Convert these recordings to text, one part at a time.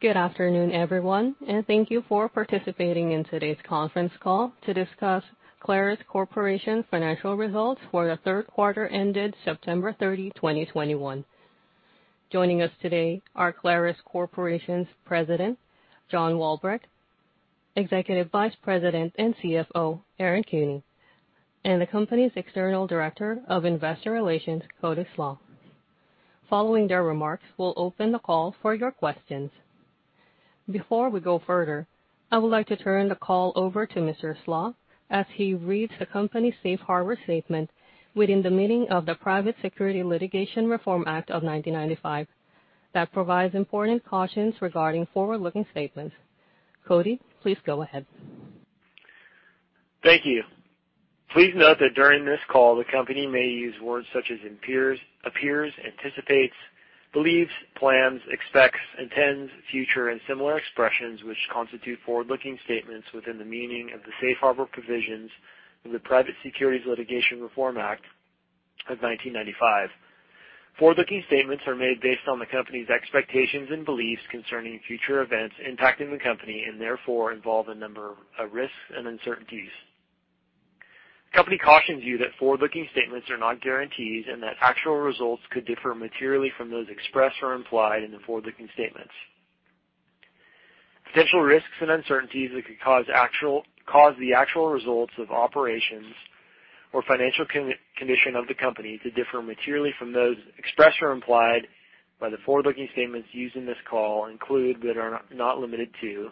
Good afternoon, everyone, and thank you for participating in today's conference call to discuss Clarus Corporation's financial results for the third quarter ended September 30, 2021. Joining us today are Clarus Corporation's President, John Walbrecht, Executive Vice President and CFO, Aaron Kuehne, and the company's External Director of Investor Relations, Cody Slach. Following their remarks, we'll open the call for your questions. Before we go further, I would like to turn the call over to Mr. Slach as he reads the company's safe harbor statement within the meaning of the Private Securities Litigation Reform Act of 1995 that provides important cautions regarding forward-looking statements. Cody, please go ahead. Thank you. Please note that during this call, the Company may use words such as appears, anticipates, believes, plans, expects, intends, future, and similar expressions which constitute forward-looking statements within the meaning of the safe harbor provisions in the Private Securities Litigation Reform Act of 1995. Forward-looking statements are made based on the Company's expectations and beliefs concerning future events impacting the Company and therefore involve a number of risks and uncertainties. The Company cautions you that forward-looking statements are not guarantees and that actual results could differ materially from those expressed or implied in the forward-looking statements. Potential risks and uncertainties that could cause the actual results of operations or financial condition of the company to differ materially from those expressed or implied by the forward-looking statements used in this call include, but are not limited to,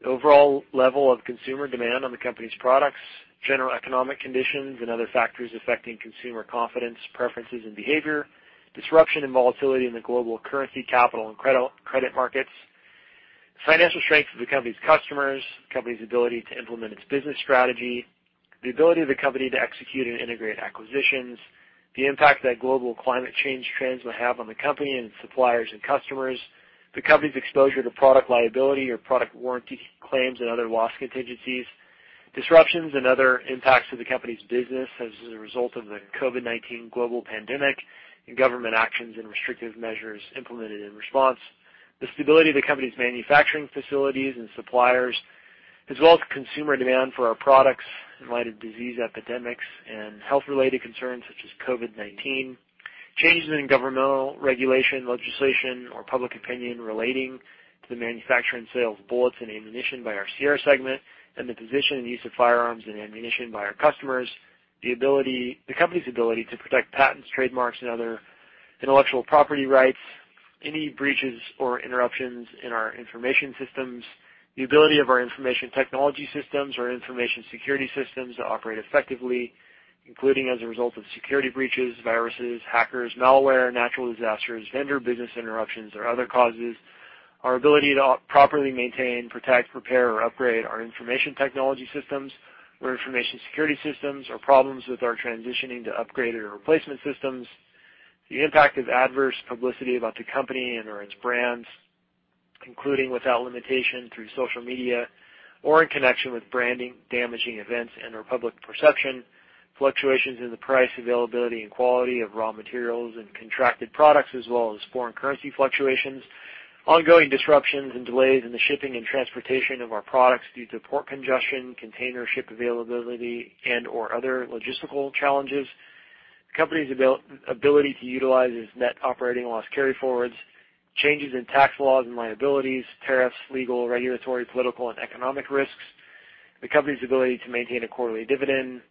the overall level of consumer demand for the company's products, general economic conditions and other factors affecting consumer confidence, preferences and behavior, disruption and volatility in the global currency, capital and credit markets, financial strength of the company's customers, the company's ability to implement its business strategy, the ability of the company to execute and integrate acquisitions. The impact that global climate change trends will have on the company and its suppliers and customers, the company's exposure to product liability or product warranty claims and other loss contingencies, disruptions and other impacts to the company's business as a result of the COVID-19 global pandemic and government actions and restrictive measures implemented in response. The stability of the company's manufacturing facilities and suppliers, as well as consumer demand for our products in light of disease epidemics and health-related concerns such as COVID-19. Changes in governmental regulation, legislation or public opinion relating to the manufacturing and sales of bullets and ammunition by our Sierra segment and the position and use of firearms and ammunition by our customers. The company's ability to protect patents, trademarks and other intellectual property rights, any breaches or interruptions in our information systems, the ability of our information technology systems or information security systems to operate effectively, including as a result of security breaches, viruses, hackers, malware, natural disasters, vendor business interruptions or other causes. Our ability to properly maintain, protect, prepare or upgrade our information technology systems or information security systems or problems with our transitioning to upgraded or replacement systems, the impact of adverse publicity about the company and/or its brands, including without limitation through social media or in connection with branding damaging events and/or public perception, fluctuations in the price, availability and quality of raw materials and contracted products as well as foreign currency fluctuations, ongoing disruptions and delays in the shipping and transportation of our products due to port congestion, container ship availability and/or other logistical challenges. The company's ability to utilize its net operating loss carryforwards, changes in tax laws and liabilities, tariffs, legal, regulatory, political and economic risks, the company's ability to maintain a quarterly dividend,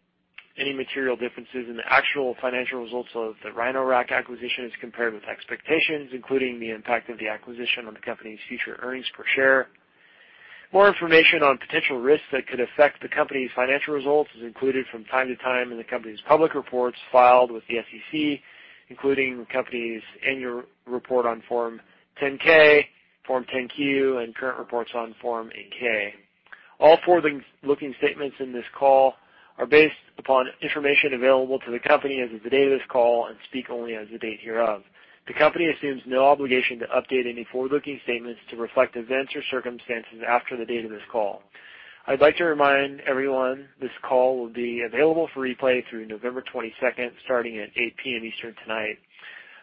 any material differences in the actual financial results of the Rhino-Rack acquisition as compared with expectations, including the impact of the acquisition on the company's future earnings per share. More information on potential risks that could affect the company's financial results is included from time to time in the company's public reports filed with the SEC, including the company's annual report on Form 10-K, Form 10-Q and current reports on Form 8-K. All forward-looking statements in this call are based upon information available to the company as of the date of this call and speak only as of the date hereof. The company assumes no obligation to update any forward-looking statements to reflect events or circumstances after the date of this call. I'd like to remind everyone this call will be available for replay through November 22, starting at 8:00 P.M. Eastern tonight.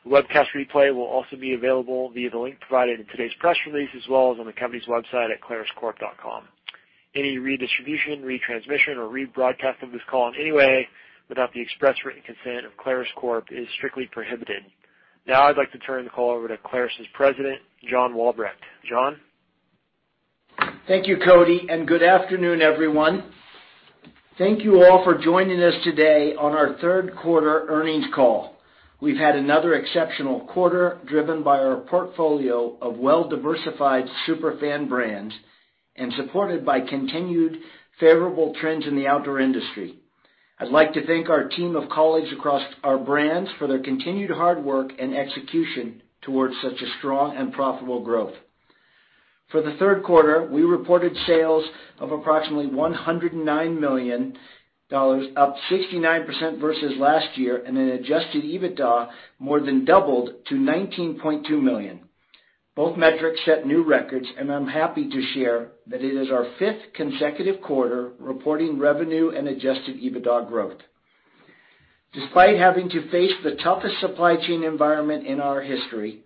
Webcast replay will also be available via the link provided in today's press release as well as on the company's website at claruscorp.com. Any redistribution, retransmission or rebroadcast of this call in any way without the express written consent of Clarus Corp is strictly prohibited. Now I'd like to turn the call over to Clarus' President, John Walbrecht. John? Thank you Cody and good afternoon, everyone. Thank you all for joining us today on our third quarter earnings call. We've had another exceptional quarter driven by our portfolio of well-diversified Super Fan brands and supported by continued favorable trends in the outdoor industry. I'd like to thank our team of colleagues across our brands for their continued hard work and execution towards such a strong and profitable growth. For the third quarter, we reported sales of approximately $109 million, up 69% versus last year, and an Adjusted EBITDA more than doubled to $19.2 million. Both metrics set new records, and I'm happy to share that it is our fifth consecutive quarter reporting revenue and Adjusted EBITDA growth. Despite having to face the toughest supply chain environment in our history,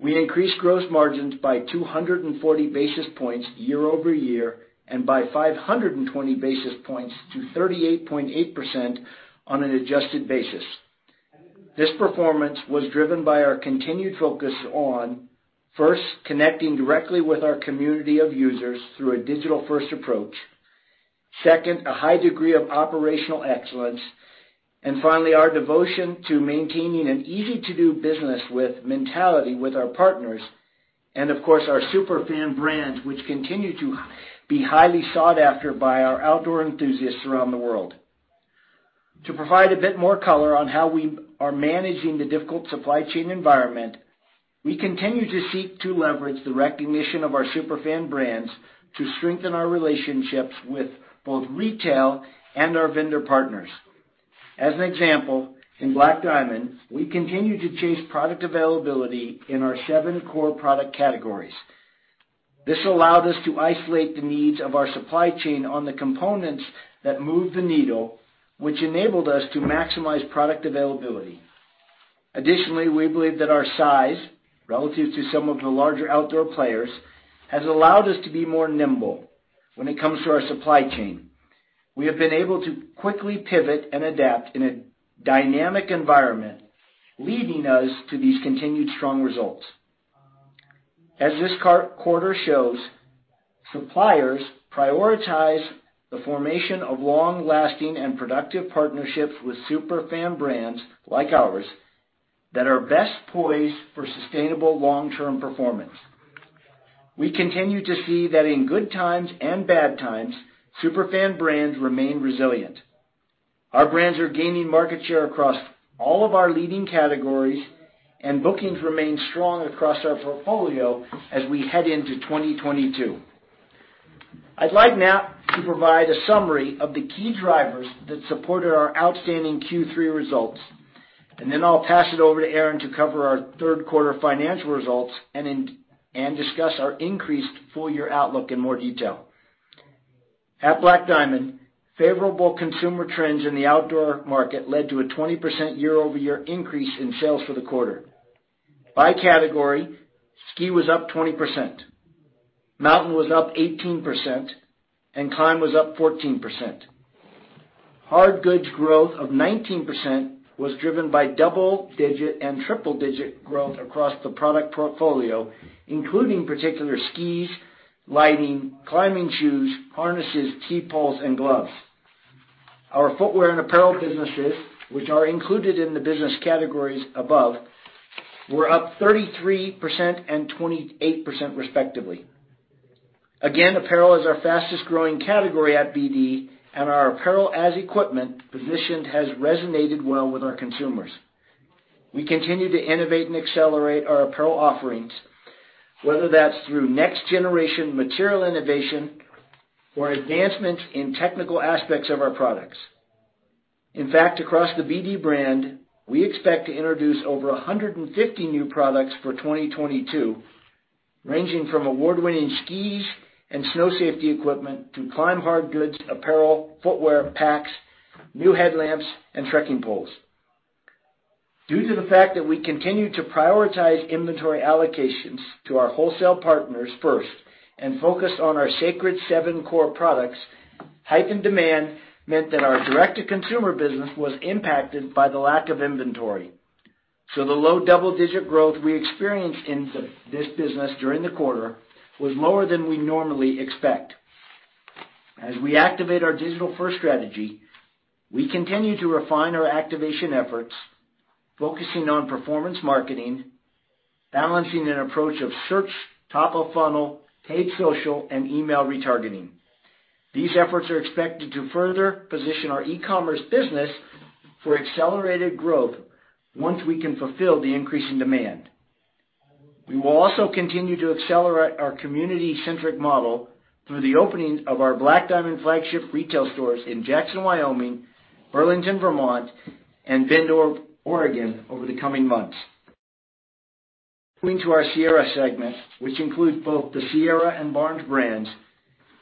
we increased gross margins by 240 basis points year-over-year, and by 520 basis points to 38.8% on an adjusted basis. This performance was driven by our continued focus on first, connecting directly with our community of users through a digital-first approach, second, a high degree of operational excellence, and finally, our devotion to maintaining an easy-to-do-business-with mentality with our partners, and of course, our Super Fan brands, which continue to be highly sought after by our outdoor enthusiasts around the world. To provide a bit more color on how we are managing the difficult supply chain environment, we continue to seek to leverage the recognition of our Super Fan brands to strengthen our relationships with both retail and our vendor partners. As an example, in Black Diamond, we continue to chase product availability in our seven core product categories. This allowed us to isolate the needs of our supply chain on the components that move the needle, which enabled us to maximize product availability. Additionally, we believe that our size, relative to some of the larger outdoor players, has allowed us to be more nimble when it comes to our supply chain. We have been able to quickly pivot and adapt in a dynamic environment, leading us to these continued strong results. As this quarter shows, suppliers prioritize the formation of long-lasting and productive partnerships with Super Fan brands like ours that are best poised for sustainable long-term performance. We continue to see that in good times and bad times, Super Fan brands remain resilient. Our brands are gaining market share across all of our leading categories, and bookings remain strong across our portfolio as we head into 2022. I'd like now to provide a summary of the key drivers that supported our outstanding Q3 results, and then I'll pass it over to Aaron to cover our third quarter financial results and discuss our increased full-year outlook in more detail. At Black Diamond, favorable consumer trends in the outdoor market led to a 20% year-over-year increase in sales for the quarter. By category, ski was up 20%, mountain was up 18%, and climb was up 14%. Hard goods growth of 19% was driven by double-digit and triple-digit growth across the product portfolio, including particular skis, lighting, climbing shoes, harnesses, T-poles, and gloves. Our footwear and apparel businesses, which are included in the business categories above, were up 33% and 28% respectively. Again, apparel is our fastest-growing category at BD, and our apparel as equipment positioned has resonated well with our consumers. We continue to innovate and accelerate our apparel offerings, whether that's through next-generation material innovation or advancements in technical aspects of our products. In fact, across the BD brand, we expect to introduce over 150 new products for 2022, ranging from award-winning skis and snow safety equipment to climb hard goods, apparel, footwear, packs, new headlamps, and trekking poles. Due to the fact that we continue to prioritize inventory allocations to our wholesale partners first and focus on our Sacred Seven core products, heightened demand meant that our direct-to-consumer business was impacted by the lack of inventory. The low double-digit growth we experienced in this business during the quarter was lower than we normally expect. As we activate our digital-first strategy, we continue to refine our activation efforts, focusing on performance marketing, balancing an approach of search, top-of-funnel, paid social, and email retargeting. These efforts are expected to further position our e-commerce business for accelerated growth once we can fulfill the increase in demand. We will also continue to accelerate our community-centric model through the opening of our Black Diamond flagship retail stores in Jackson, Wyoming, Burlington, Vermont, and Bend, Oregon over the coming months. Going to our Sierra segment, which includes both the Sierra and Barnes brands,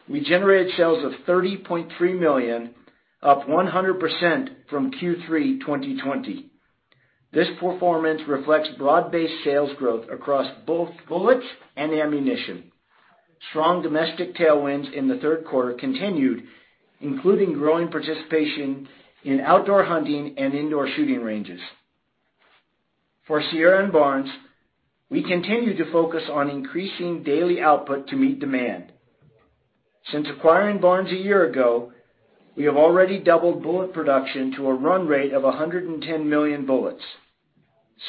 we generated sales of $30.3 million, up 100% from Q3 2020. This performance reflects broad-based sales growth across both bullets and ammunition. Strong domestic tailwinds in the third quarter continued, including growing participation in outdoor hunting and indoor shooting ranges. For Sierra and Barnes, we continue to focus on increasing daily output to meet demand. Since acquiring Barnes a year ago, we have already doubled bullet production to a run rate of 110 million bullets.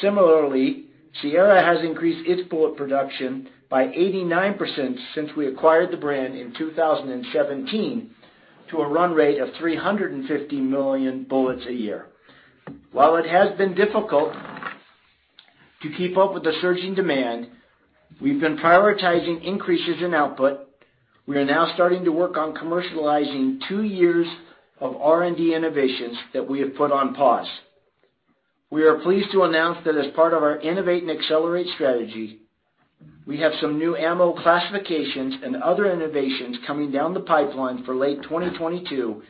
Similarly, Sierra has increased its bullet production by 89% since we acquired the brand in 2017 to a run rate of 350 million bullets a year. While it has been difficult to keep up with the surging demand, we've been prioritizing increases in output. We are now starting to work on commercializing two years of R&D innovations that we have put on pause. We are pleased to announce that as part of our innovate and accelerate strategy, we have some new ammo classifications and other innovations coming down the pipeline for late 2022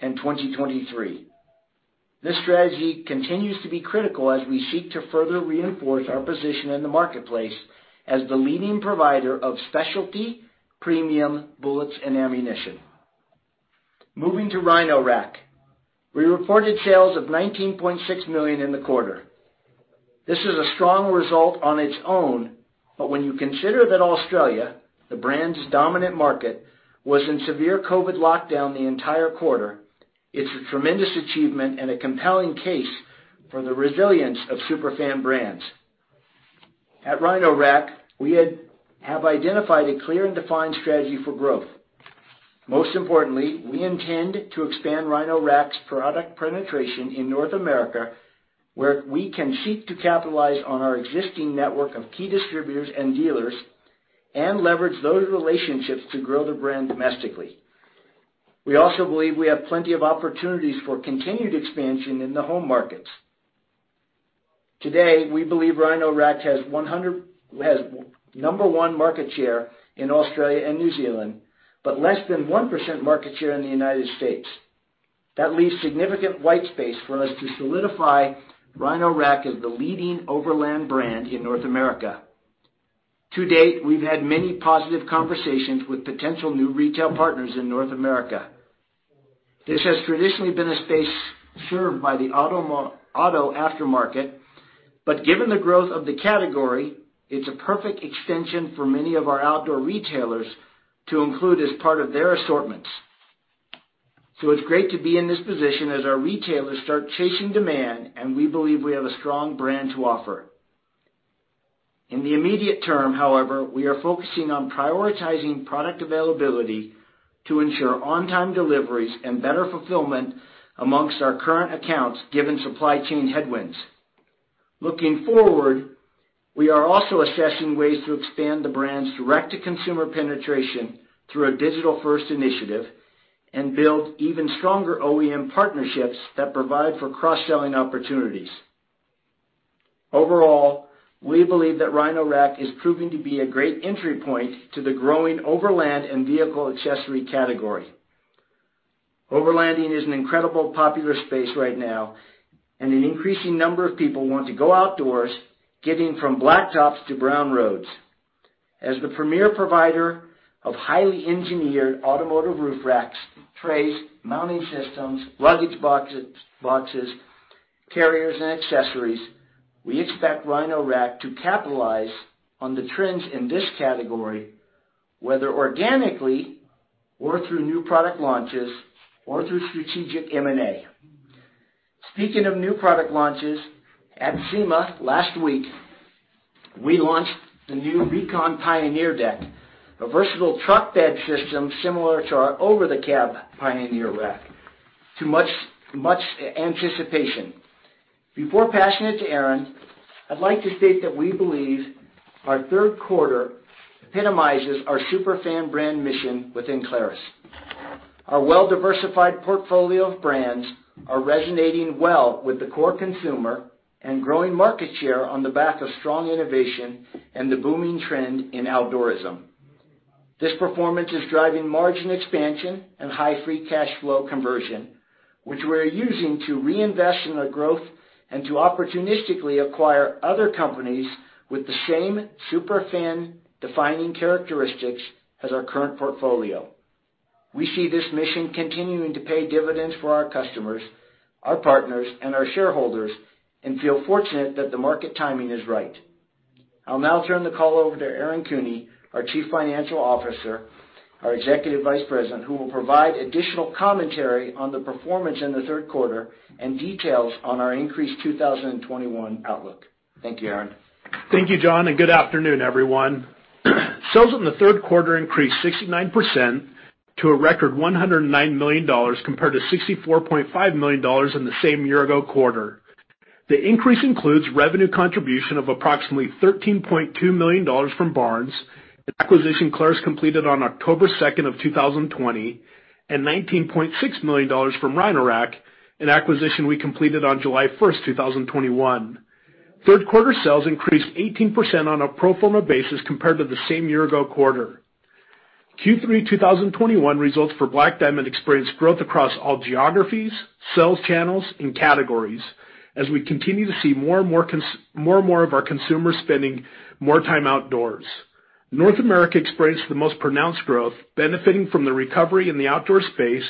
and 2023. This strategy continues to be critical as we seek to further reinforce our position in the marketplace as the leading provider of specialty premium bullets and ammunition. Moving to Rhino-Rack. We reported sales of $19.6 million in the quarter. This is a strong result on its own, but when you consider that Australia, the brand's dominant market, was in severe COVID-19 lockdown the entire quarter, it is a tremendous achievement and a compelling case for the resilience of Super Fan brands. At Rhino-Rack, we have identified a clear and defined strategy for growth. Most importantly, we intend to expand Rhino-Rack's product penetration in North America, where we can seek to capitalize on our existing network of key distributors and dealers and leverage those relationships to grow the brand domestically. We also believe we have plenty of opportunities for continued expansion in the home markets. Today, we believe Rhino-Rack has number one market share in Australia and New Zealand, but less than 1% market share in the United States. That leaves significant white space for us to solidify Rhino-Rack as the leading overland brand in North America. To date, we've had many positive conversations with potential new retail partners in North America. This has traditionally been a space served by the automotive aftermarket, but given the growth of the category, it's a perfect extension for many of our outdoor retailers to include as part of their assortments. It's great to be in this position as our retailers start chasing demand, and we believe we have a strong brand to offer. In the immediate term, however, we are focusing on prioritizing product availability to ensure on-time deliveries and better fulfillment among our current accounts, given supply chain headwinds. Looking forward, we are also assessing ways to expand the brand's direct-to-consumer penetration through a digital-first initiative and build even stronger OEM partnerships that provide for cross-selling opportunities. Overall, we believe that Rhino-Rack is proving to be a great entry point to the growing overland and vehicle accessory category. Overlanding is an incredibly popular space right now, and an increasing number of people want to go outdoors, getting from blacktops to brown roads. As the premier provider of highly engineered automotive roof racks, trays, mounting systems, luggage boxes, carriers, and accessories, we expect Rhino-Rack to capitalize on the trends in this category, whether organically or through new product launches or through strategic M&A. Speaking of new product launches, at SEMA last week, we launched the new Recon Pioneer Deck, a versatile truck bed system similar to our over-the-cab Pioneer Deck, to much anticipation. Before passing it to Aaron, I'd like to state that we believe our third quarter epitomizes our Super Fan brand mission within Clarus. Our well-diversified portfolio of brands are resonating well with the core consumer and growing market share on the back of strong innovation and the booming trend in outdoorism. This performance is driving margin expansion and high free cash flow conversion, which we're using to reinvest in our growth and to opportunistically acquire other companies with the same Super Fan defining characteristics as our current portfolio. We see this mission continuing to pay dividends for our customers, our partners, and our shareholders and feel fortunate that the market timing is right. I'll now turn the call over to Aaron Kuehne, our Chief Financial Officer, our Executive Vice President, who will provide additional commentary on the performance in the third quarter and details on our increased 2021 outlook. Thank you, Aaron. Thank you, John, and good afternoon, everyone. Sales in the third quarter increased 69% to a record $109 million compared to $64.5 million in the same year-ago quarter. The increase includes revenue contribution of approximately $13.2 million from Barnes, acquisition Clarus completed on October 2, 2020, and $19.6 million from Rhino-Rack, an acquisition we completed on July 1, 2021. Third quarter sales increased 18% on a pro forma basis compared to the same year-ago quarter. Q3 2021 results for Black Diamond experienced growth across all geographies, sales channels, and categories as we continue to see more and more of our consumers spending more time outdoors. North America experienced the most pronounced growth benefiting from the recovery in the outdoor space,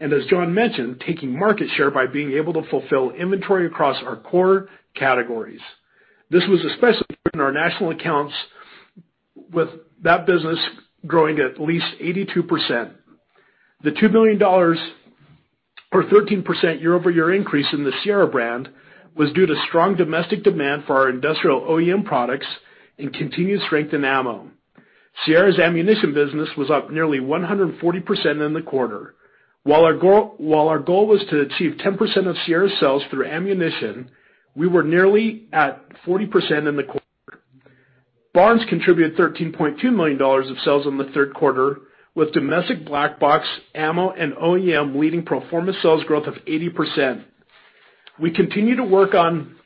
and as John mentioned, taking market share by being able to fulfill inventory across our core categories. This was especially in our national accounts, with that business growing at least 82%. The $2 million or 13% year-over-year increase in the Sierra brand was due to strong domestic demand for our industrial OEM products and continued strength in ammo. Sierra's ammunition business was up nearly 140% in the quarter. While our goal was to achieve 10% of Sierra sales through ammunition, we were nearly at 40% in the quarter. Barnes contributed $13.2 million of sales in the third quarter, with domestic Black Box, Ammo, and OEM leading pro forma sales growth of 80%. We continue to work on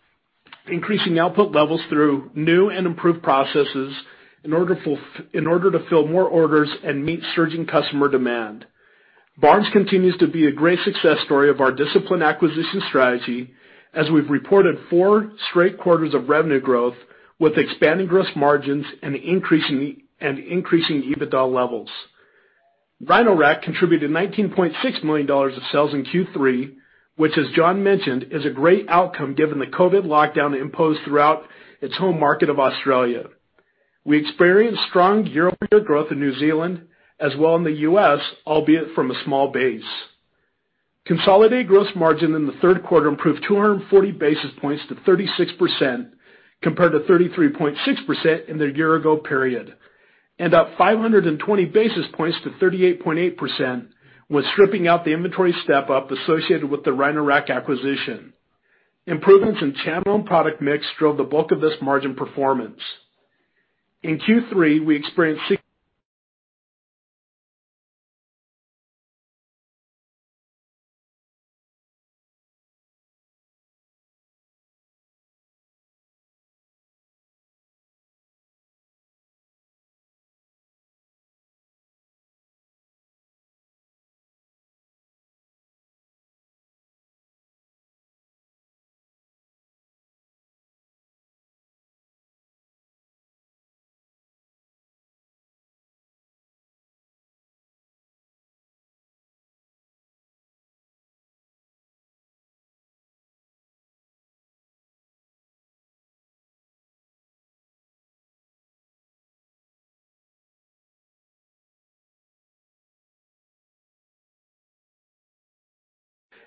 increasing output levels through new and improved processes in order to fill more orders and meet surging customer demand. Barnes continues to be a great success story of our disciplined acquisition strategy, as we've reported four straight quarters of revenue growth with expanding gross margins and increasing EBITDA levels. Rhino-Rack contributed $19.6 million of sales in Q3, which, as John mentioned, is a great outcome given the COVID lockdown imposed throughout its home market of Australia. We experienced strong year-over-year growth in New Zealand as well in the U.S., albeit from a small base. Consolidated gross margin in the third quarter improved 240 basis points to 36% compared to 33.6% in the year ago period, and up 520 basis points to 38.8% when stripping out the inventory step-up associated with the Rhino-Rack acquisition. Improvements in channel and product mix drove the bulk of this margin performance. In Q3,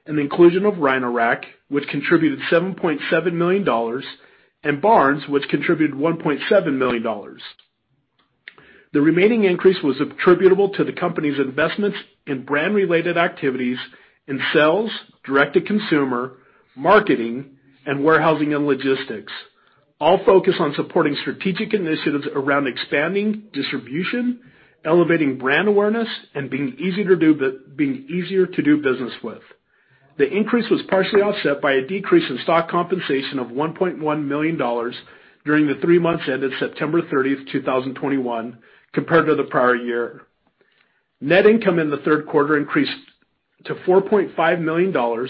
the inclusion of Rhino-Rack, which contributed $7.7 million, and Barnes, which contributed $1.7 million. The remaining increase was attributable to the company's investments in brand-related activities in sales, direct-to-consumer, marketing, and warehousing and logistics, all focused on supporting strategic initiatives around expanding distribution, elevating brand awareness, and being easier to do business with. The increase was partially offset by a decrease in stock compensation of $1.1 million during the three months ended September 30, 2021, compared to the prior year. Net income in the third quarter increased to $4.5 million, or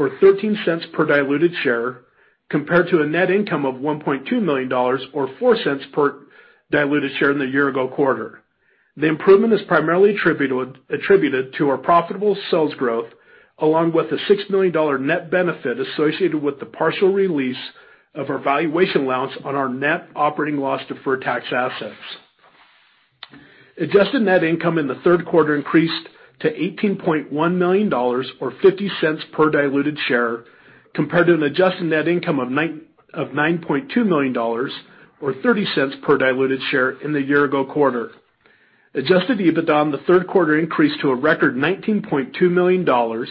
$0.13 per diluted share, compared to a net income of $1.2 million, or $0.04 per diluted share in the year ago quarter. The improvement is primarily attributed to our profitable sales growth, along with a $6 million net benefit associated with the partial release of our valuation allowance on our net operating loss deferred tax assets. Adjusted net income in the third quarter increased to $18.1 million or $0.50 per diluted share, compared to an adjusted net income of $9.2 million or $0.30 per diluted share in the year-ago quarter. Adjusted EBITDA in the third quarter increased to a record $19.2 million or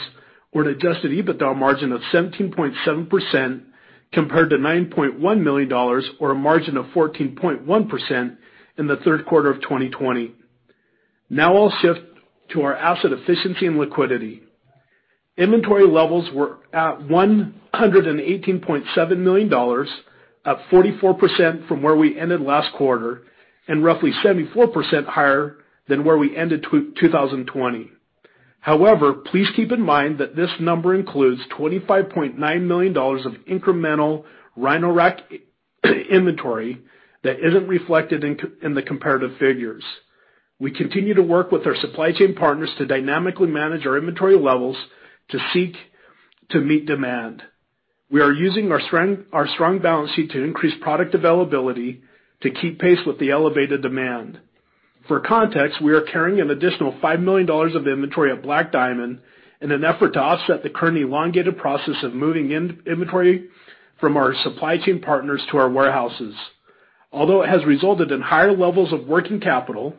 an adjusted EBITDA margin of 17.7% compared to $9.1 million or a margin of 14.1% in the third quarter of 2020. Now I'll shift to our asset efficiency and liquidity. Inventory levels were at $118.7 million, up 44% from where we ended last quarter and roughly 74% higher than where we ended 2020. However, please keep in mind that this number includes $25.9 million of incremental Rhino-Rack inventory that isn't reflected in the comparative figures. We continue to work with our supply chain partners to dynamically manage our inventory levels to seek to meet demand. We are using our strong balance sheet to increase product availability to keep pace with the elevated demand. For context, we are carrying an additional $5 million of inventory at Black Diamond in an effort to offset the current elongated process of moving inventory from our supply chain partners to our warehouses. Although it has resulted in higher levels of working capital,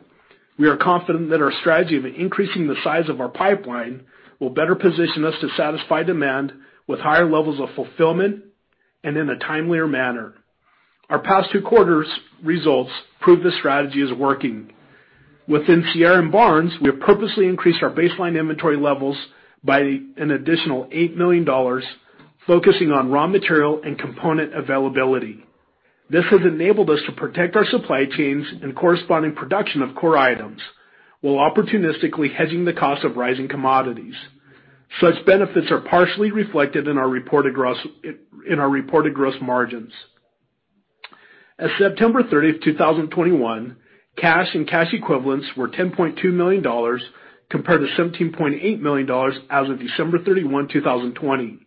we are confident that our strategy of increasing the size of our pipeline will better position us to satisfy demand with higher levels of fulfillment and in a timelier manner. Our past two quarters results prove this strategy is working. Within Sierra and Barnes, we have purposely increased our baseline inventory levels by an additional $8 million, focusing on raw material and component availability. This has enabled us to protect our supply chains and corresponding production of core items while opportunistically hedging the cost of rising commodities. Such benefits are partially reflected in our reported gross margins. As of September 30, 2021, cash and cash equivalents were $10.2 million compared to $17.8 million as of December 31, 2020.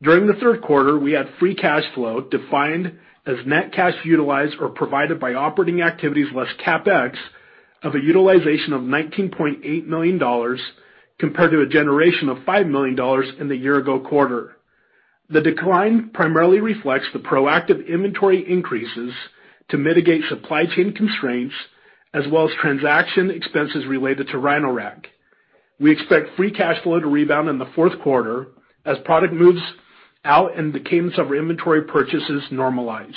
During the third quarter, we had free cash flow defined as net cash utilized or provided by operating activities less CapEx of a utilization of $19.8 million compared to a generation of $5 million in the year ago quarter. The decline primarily reflects the proactive inventory increases to mitigate supply chain constraints as well as transaction expenses related to Rhino-Rack. We expect free cash flow to rebound in the fourth quarter as product moves out and the cadence of our inventory purchases normalize.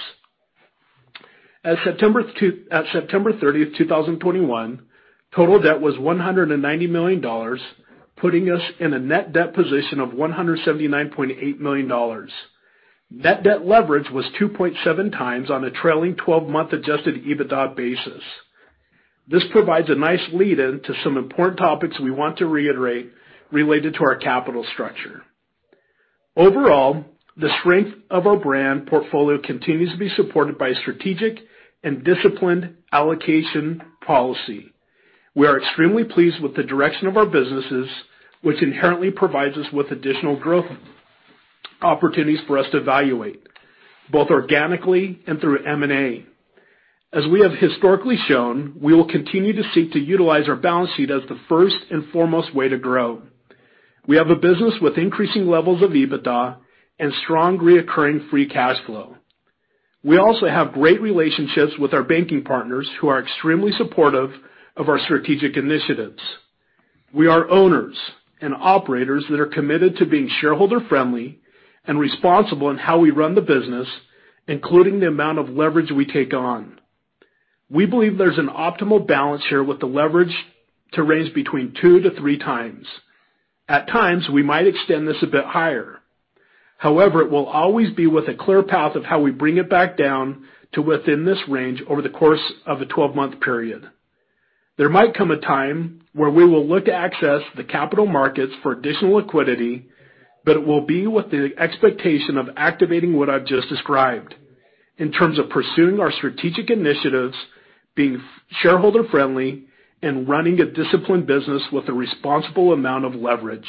At September 30, 2021, total debt was $190 million, putting us in a net debt position of $179.8 million. Net debt leverage was 2.7x on a trailing twelve-month Adjusted EBITDA basis. This provides a nice lead-in to some important topics we want to reiterate related to our capital structure. Overall, the strength of our brand portfolio continues to be supported by a strategic and disciplined allocation policy. We are extremely pleased with the direction of our businesses, which inherently provides us with additional growth opportunities for us to evaluate, both organically and through M&A. As we have historically shown, we will continue to seek to utilize our balance sheet as the first and foremost way to grow. We have a business with increasing levels of EBITDA and strong recurring free cash flow. We also have great relationships with our banking partners who are extremely supportive of our strategic initiatives. We are owners and operators that are committed to being shareholder-friendly and responsible in how we run the business, including the amount of leverage we take on. We believe there's an optimal balance here with the leverage to range between 2x-3x. At times, we might extend this a bit higher. However, it will always be with a clear path of how we bring it back down to within this range over the course of a 12-month period. There might come a time where we will look to access the capital markets for additional liquidity, but it will be with the expectation of activating what I've just described in terms of pursuing our strategic initiatives, being shareholder-friendly, and running a disciplined business with a responsible amount of leverage.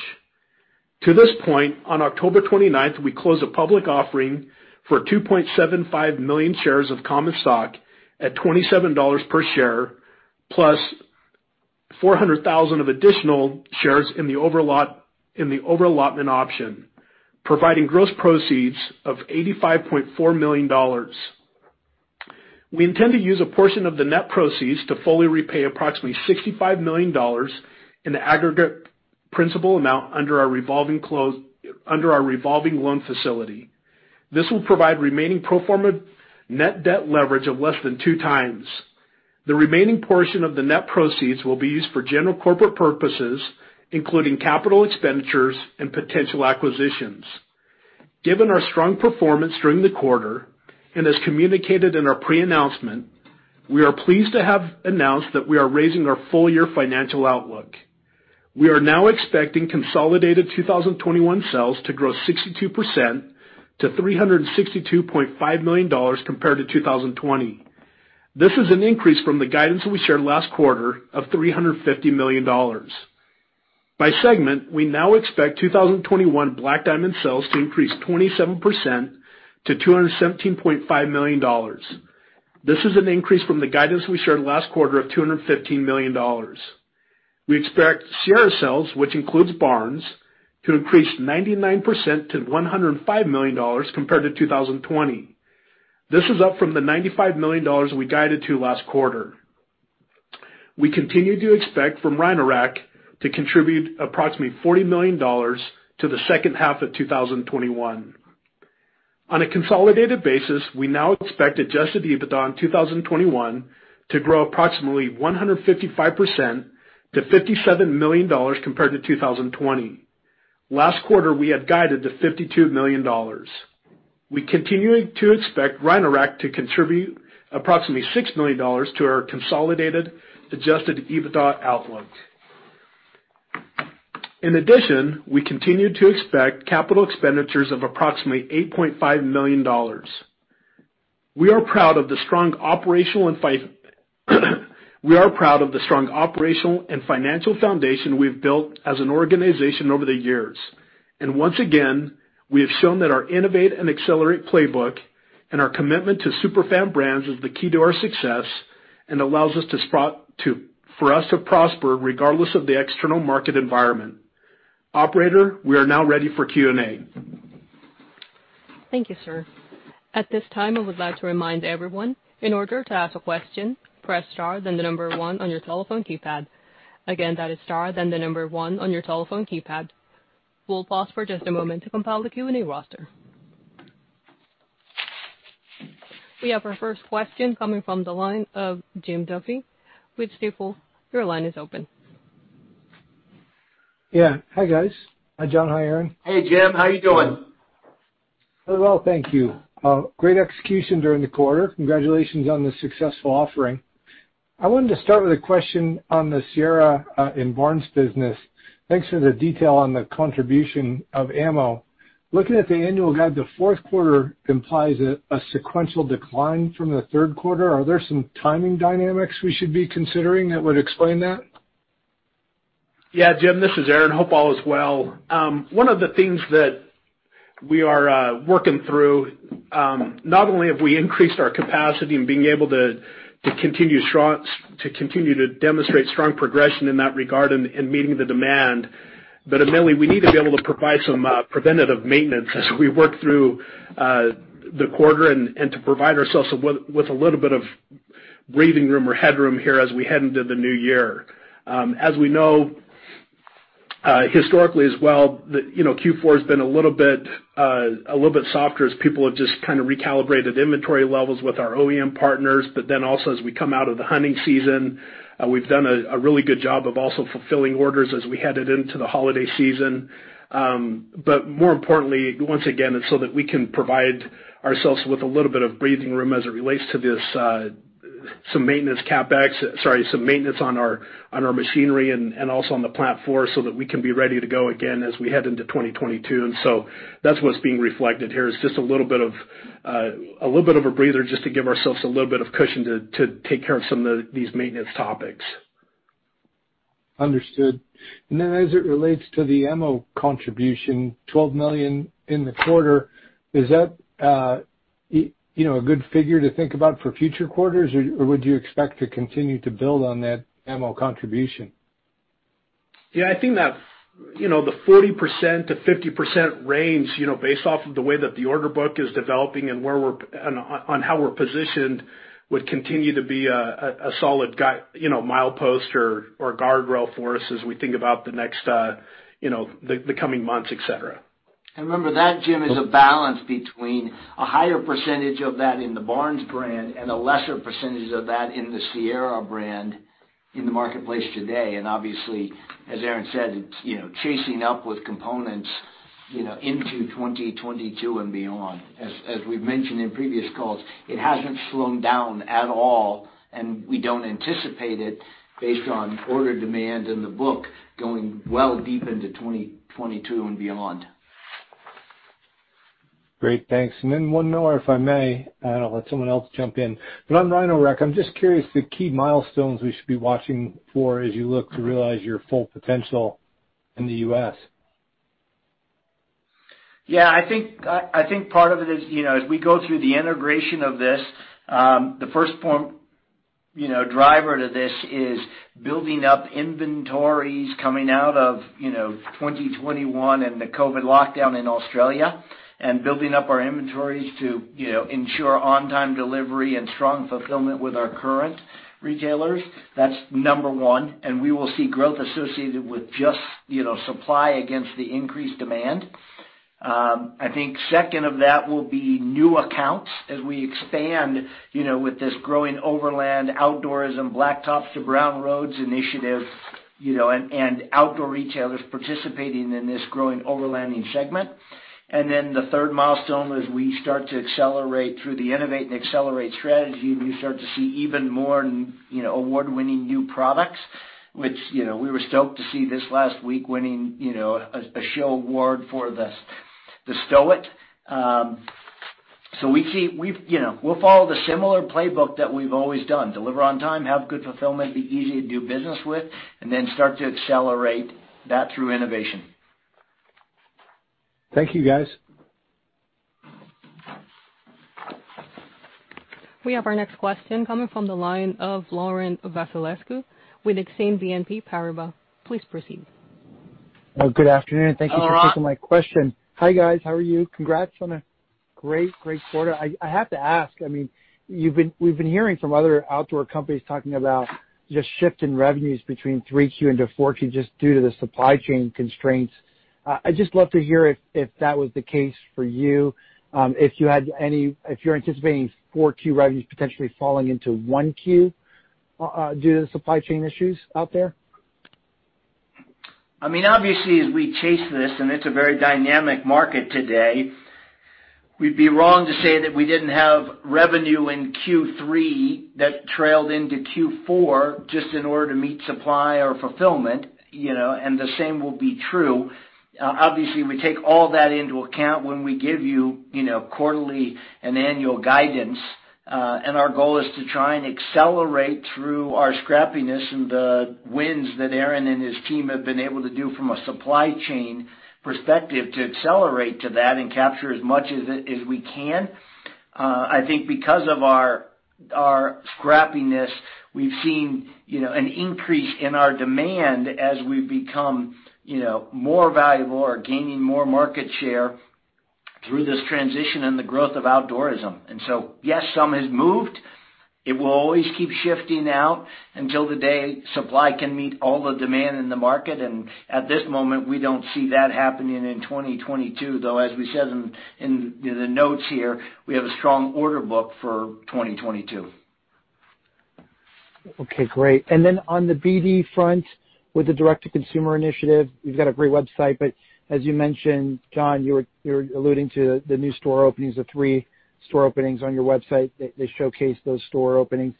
To this point, on October 29, we closed a public offering for 2.75 million shares of common stock at $27 per share, plus 400,000 of additional shares in the over-allotment option, providing gross proceeds of $85.4 million. We intend to use a portion of the net proceeds to fully repay approximately $65 million in the aggregate principal amount under our revolving loan facility. This will provide remaining pro forma net debt leverage of less than 2x. The remaining portion of the net proceeds will be used for general corporate purposes, including capital expenditures and potential acquisitions. Given our strong performance during the quarter, and as communicated in our pre-announcement, we are pleased to have announced that we are raising our full-year financial outlook. We are now expecting consolidated 2021 sales to grow 62% to $362.5 million compared to 2020. This is an increase from the guidance that we shared last quarter of $350 million. By segment, we now expect 2021 Black Diamond sales to increase 27% to $217.5 million. This is an increase from the guidance we shared last quarter of $215 million. We expect Sierra sales, which includes Barnes, to increase 99% to $105 million compared to 2020. This is up from the $95 million we guided to last quarter. We continue to expect from Rhino-Rack to contribute approximately $40 million to the second half of 2021. On a consolidated basis, we now expect adjusted EBITDA in 2021 to grow approximately 155% to $57 million compared to 2020. Last quarter, we had guided to $52 million. We continue to expect Rhino-Rack to contribute approximately $6 million to our consolidated Adjusted EBITDA outlook. In addition, we continue to expect capital expenditures of approximately $8.5 million. We are proud of the strong operational and financial foundation we've built as an organization over the years. Once again, we have shown that our innovate and accelerate playbook and our commitment to Super Fan brands is the key to our success and allows us to prosper regardless of the external market environment. Operator, we are now ready for Q&A. Thank you, sir. At this time, I would like to remind everyone, in order to ask a question, press star then the number one on your telephone keypad. Again, that is star then the number one on your telephone keypad. We'll pause for just a moment to compile the Q&A roster. We have our first question coming from the line of Jim Duffy with Stifel. Your line is open. Yeah. Hi, guys. Hi, John. Hi, Aaron. Hey, Jim. How are you doing? Well, thank you. Great execution during the quarter. Congratulations on the successful offering. I wanted to start with a question on the Sierra and Barnes business. Thanks for the detail on the contribution of ammo. Looking at the annual guide, the fourth quarter implies a sequential decline from the third quarter. Are there some timing dynamics we should be considering that would explain that? Yeah. Jim, this is Aaron. Hope all is well. One of the things that we are working through, not only have we increased our capacity in being able to continue to demonstrate strong progression in that regard in meeting the demand, but admittedly, we need to be able to provide some preventative maintenance as we work through the quarter and to provide ourselves with a little bit of breathing room or headroom here as we head into the new year. As we know, historically as well, you know, Q4 has been a little bit softer as people have just kind of recalibrated inventory levels with our OEM partners. Also as we come out of the hunting season, we've done a really good job of also fulfilling orders as we headed into the holiday season. But more importantly, once again, it's so that we can provide ourselves with a little bit of breathing room as it relates to this, some maintenance on our machinery and also on the platform so that we can be ready to go again as we head into 2022. That's what's being reflected here. It's just a little bit of a breather just to give ourselves a little bit of cushion to take care of some of these maintenance topics. Understood. As it relates to the ammo contribution, $12 million in the quarter, is that, you know, a good figure to think about for future quarters, or would you expect to continue to build on that ammo contribution? Yeah, I think that, you know, the 40%-50% range, you know, based off of the way that the order book is developing and on how we're positioned, would continue to be a solid guide, you know, milepost or guardrail for us as we think about the next, you know, the coming months, et cetera. Remember that, Jim, is a balance between a higher percentage of that in the Barnes brand and a lesser percentage of that in the Sierra brand in the marketplace today. Obviously, as Aaron said, it's, you know, catching up with components, you know, into 2022 and beyond. As we've mentioned in previous calls, it hasn't slowed down at all, and we don't anticipate it based on order demand in the book going deep into 2022 and beyond. Great. Thanks. One more, if I may and I'll let someone else jump in. On Rhino-Rack, I'm just curious the key milestones we should be watching for as you look to realize your full potential in the U.S. Yeah. I think part of it is, you know, as we go through the integration of this, the first form driver to this is building up inventories coming out of 2021 and the COVID lockdown in Australia, and building up our inventories to ensure on-time delivery and strong fulfillment with our current retailers. That's number one. We will see growth associated with just, you know, supply against the increased demand. I think second of that will be new accounts as we expand, you know, with this growing overland outdoors and blacktops to brown roads initiative, you know, and outdoor retailers participating in this growing overlanding segment. The third milestone is we start to accelerate through the Innovate and Accelerate strategy, and you start to see even more, you know, award-winning new products, which, you know, we were stoked to see this last week winning, you know, a show award for the Stow It. We've, you know, we'll follow the similar playbook that we've always done, deliver on time, have good fulfillment, be easy to do business with, and then start to accelerate that through innovation. Thank you, guys. We have our next question coming from the line of Laurent Vasilescu with Exane BNP Paribas. Please proceed. Oh, good afternoon. Laurent. Thank you for taking my question. Hi, guys. How are you? Congrats on a great quarter. I have to ask, I mean, we've been hearing from other outdoor companies talking about just shift in revenues between 3Q into 4Q just due to the supply chain constraints. I'd just love to hear if that was the case for you, if you're anticipating 4Q revenues potentially falling into 1Q due to supply chain issues out there. I mean, obviously, as we chase this, and it's a very dynamic market today, we'd be wrong to say that we didn't have revenue in Q3 that trailed into Q4 just in order to meet supply or fulfillment, you know, and the same will be true. Obviously, we take all that into account when we give you know, quarterly and annual guidance, and our goal is to try and accelerate through our scrappiness and the wins that Aaron and his team have been able to do from a supply chain perspective to accelerate to that and capture as much as we can. I think because of our scrappiness, we've seen, you know, an increase in our demand as we've become, you know, more valuable or gaining more market share through this transition and the growth of outdoorism. Yes, some has moved. It will always keep shifting out until the day supply can meet all the demand in the market. At this moment, we don't see that happening in 2022, though, as we said in, you know, the notes here, we have a strong order book for 2022. Okay, great. On the BD front, with the direct-to-consumer initiative, you've got a great website, but as you mentioned, John, you were alluding to the new store openings, the three store openings on your website that showcase those store openings.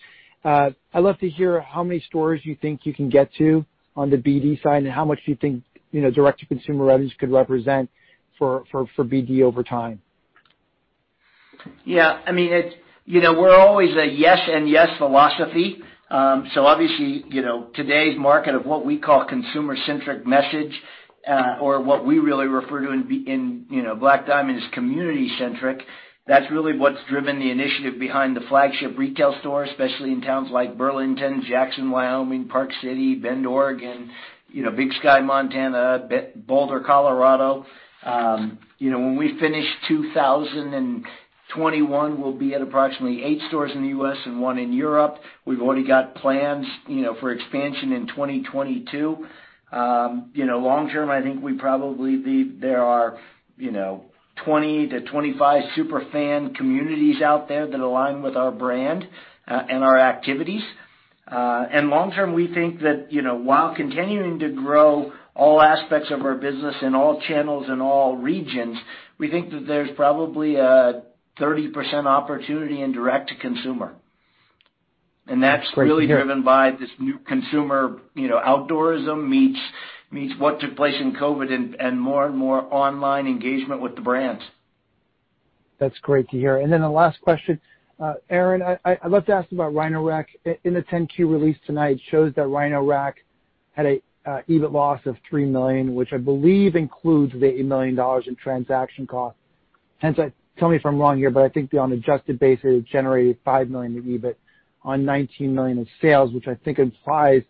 I'd love to hear how many stores you think you can get to on the BD side and how much do you think, you know, direct-to-consumer revenues could represent for BD over time? Yeah, I mean, it's, you know, we're always a yes and yes philosophy. So obviously, you know, today's market of what we call consumer-centric message, or what we really refer to in Black Diamond is community-centric. That's really what's driven the initiative behind the flagship retail store, especially in towns like Burlington, Jackson, Wyoming, Park City, Bend, Oregon, you know, Big Sky, Montana, Boulder, Colorado. You know, when we finished 2021, we'll be at approximately eight stores in the U.S. and 1 in Europe. We've already got plans, you know, for expansion in 2022. You know, long term, I think there are, you know, 20-25 Super Fan communities out there that align with our brand, and our activities. Long term, we think that, you know, while continuing to grow all aspects of our business in all channels and all regions, we think that there's probably a 30% opportunity in direct to consumer. That's really driven by this new consumer, you know, outdoorism meets what took place in COVID and more and more online engagement with the brands. That's great to hear. The last question. Aaron, I'd love to ask about Rhino-Rack. In the 10-Q release tonight shows that Rhino-Rack had a $3 million EBIT loss, which I believe includes the $80 million in transaction costs. Hence, tell me if I'm wrong here, but I think on an adjusted basis, it generated $5 million in EBIT on $19 million in sales, which I think implies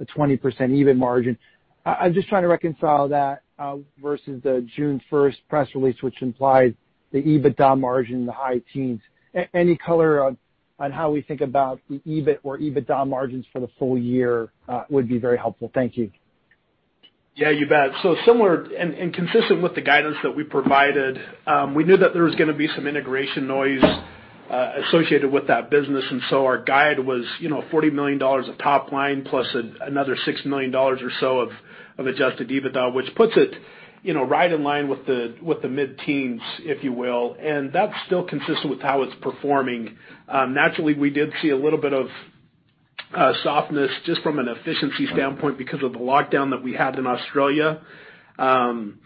a 20% EBIT margin. I'm just trying to reconcile that versus the June 1 press release, which implies the EBITDA margin in the high teens. Any color on how we think about the EBIT or EBITDA margins for the full year would be very helpful. Thank you. Yeah, you bet. Similar and consistent with the guidance that we provided, we knew that there was gonna be some integration noise associated with that business, and our guide was, you know, $40 million of top line plus another $6 million or so of adjusted EBITDA, which puts it, you know, right in line with the mid-teens, if you will, and that's still consistent with how it's performing. Naturally, we did see a little bit of softness just from an efficiency standpoint because of the lockdown that we had in Australia. Nothing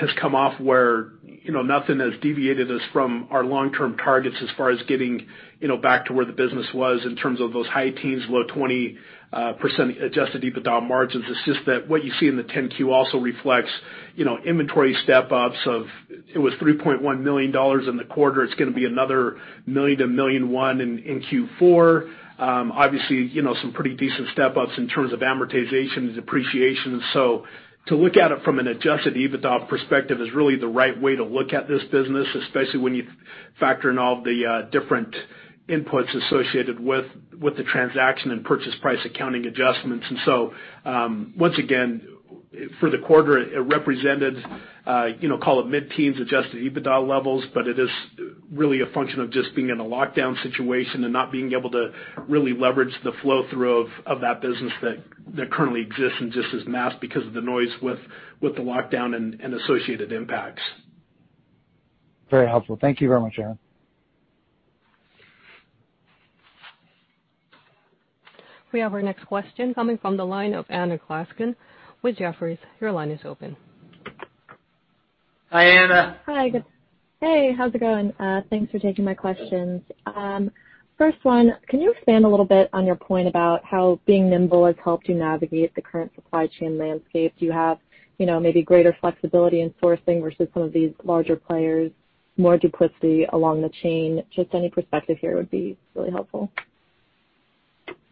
has come off where, you know, nothing has deviated us from our long-term targets as far as getting, you know, back to where the business was in terms of those high teens, low 20% adjusted EBITDA margins. It's just that what you see in the 10-Q also reflects, you know, inventory step-ups of $3.1 million in the quarter. It's gonna be another $1 million-$1.1 million in Q4. Obviously, you know, some pretty decent step-ups in terms of amortization and depreciation. To look at it from an Adjusted EBITDA perspective is really the right way to look at this business, especially when you factor in all of the different inputs associated with the transaction and purchase price accounting adjustments. Once again, for the quarter, it represented call it mid-teens Adjusted EBITDA levels, but it is really a function of just being in a lockdown situation and not being able to really leverage the flow through of that business that currently exists and just is masked because of the noise with the lockdown and associated impacts. Very helpful. Thank you very much, Aaron. We have our next question coming from the line of Anna Glaessgen with Jefferies. Your line is open. Hi, Anna. Hi. Hey, how's it going? Thanks for taking my questions. First one, can you expand a little bit on your point about how being nimble has helped you navigate the current supply chain landscape? Do you have, you know, maybe greater flexibility in sourcing versus some of these larger players, more redundancy along the chain? Just any perspective here would be really helpful.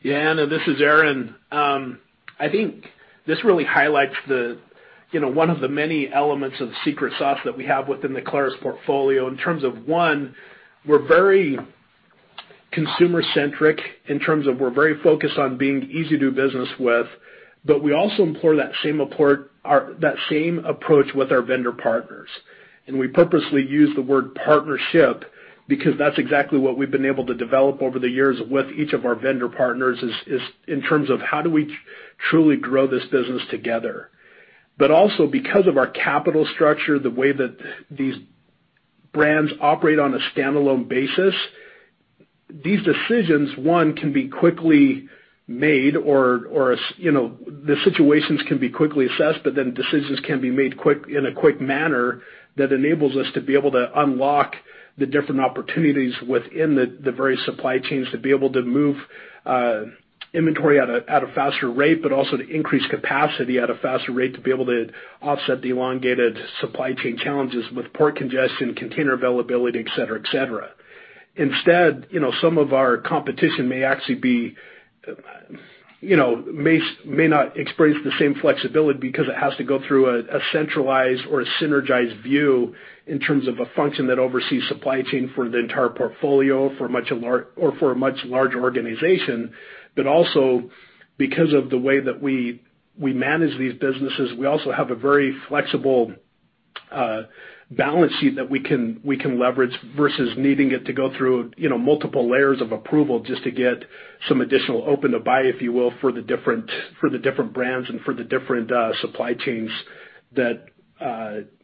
Yeah, Anna, this is Aaron. I think this really highlights the, you know, one of the many elements of the secret sauce that we have within the Clarus portfolio. In terms of one, we're very consumer-centric in terms of we're very focused on being easy to do business with, but we also employ that same approach with our vendor partners. We purposely use the word partnership because that's exactly what we've been able to develop over the years with each of our vendor partners is in terms of how do we truly grow this business together. Also because of our capital structure, the way that these brands operate on a standalone basis, these decisions, one, can be quickly made or, you know, the situations can be quickly assessed, but then decisions can be made in a quick manner that enables us to be able to unlock the different opportunities within the very supply chains to be able to move inventory at a faster rate, but also to increase capacity at a faster rate to be able to offset the elongated supply chain challenges with port congestion, container availability, et cetera. Instead, you know, some of our competition may actually be, you know, may not experience the same flexibility because it has to go through a centralized or a synergized view in terms of a function that oversees supply chain for the entire portfolio or for a much larger organization. But also because of the way that we manage these businesses, we also have a very flexible balance sheet that we can leverage versus needing it to go through, you know, multiple layers of approval just to get some additional open to buy, if you will, for the different brands and for the different supply chains that,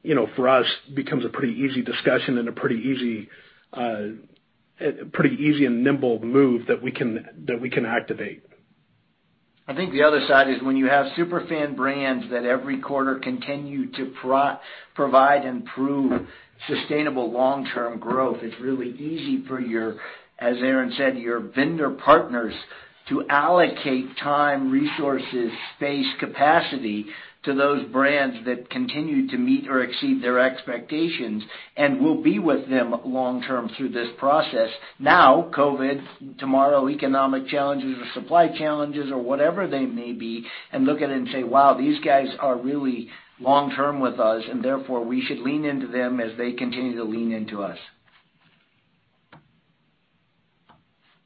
you know, for us becomes a pretty easy discussion and a pretty easy and nimble move that we can activate. I think the other side is when you have Super Fan brands that every quarter continue to provide and prove sustainable long-term growth, it's really easy for your, as Aaron said, your vendor partners to allocate time, resources, space, capacity to those brands that continue to meet or exceed their expectations and will be with them long term through this process. Now, COVID, tomorrow, economic challenges or supply challenges or whatever they may be, and look at it and say, "Wow, these guys are really long-term with us, and therefore we should lean into them as they continue to lean into us.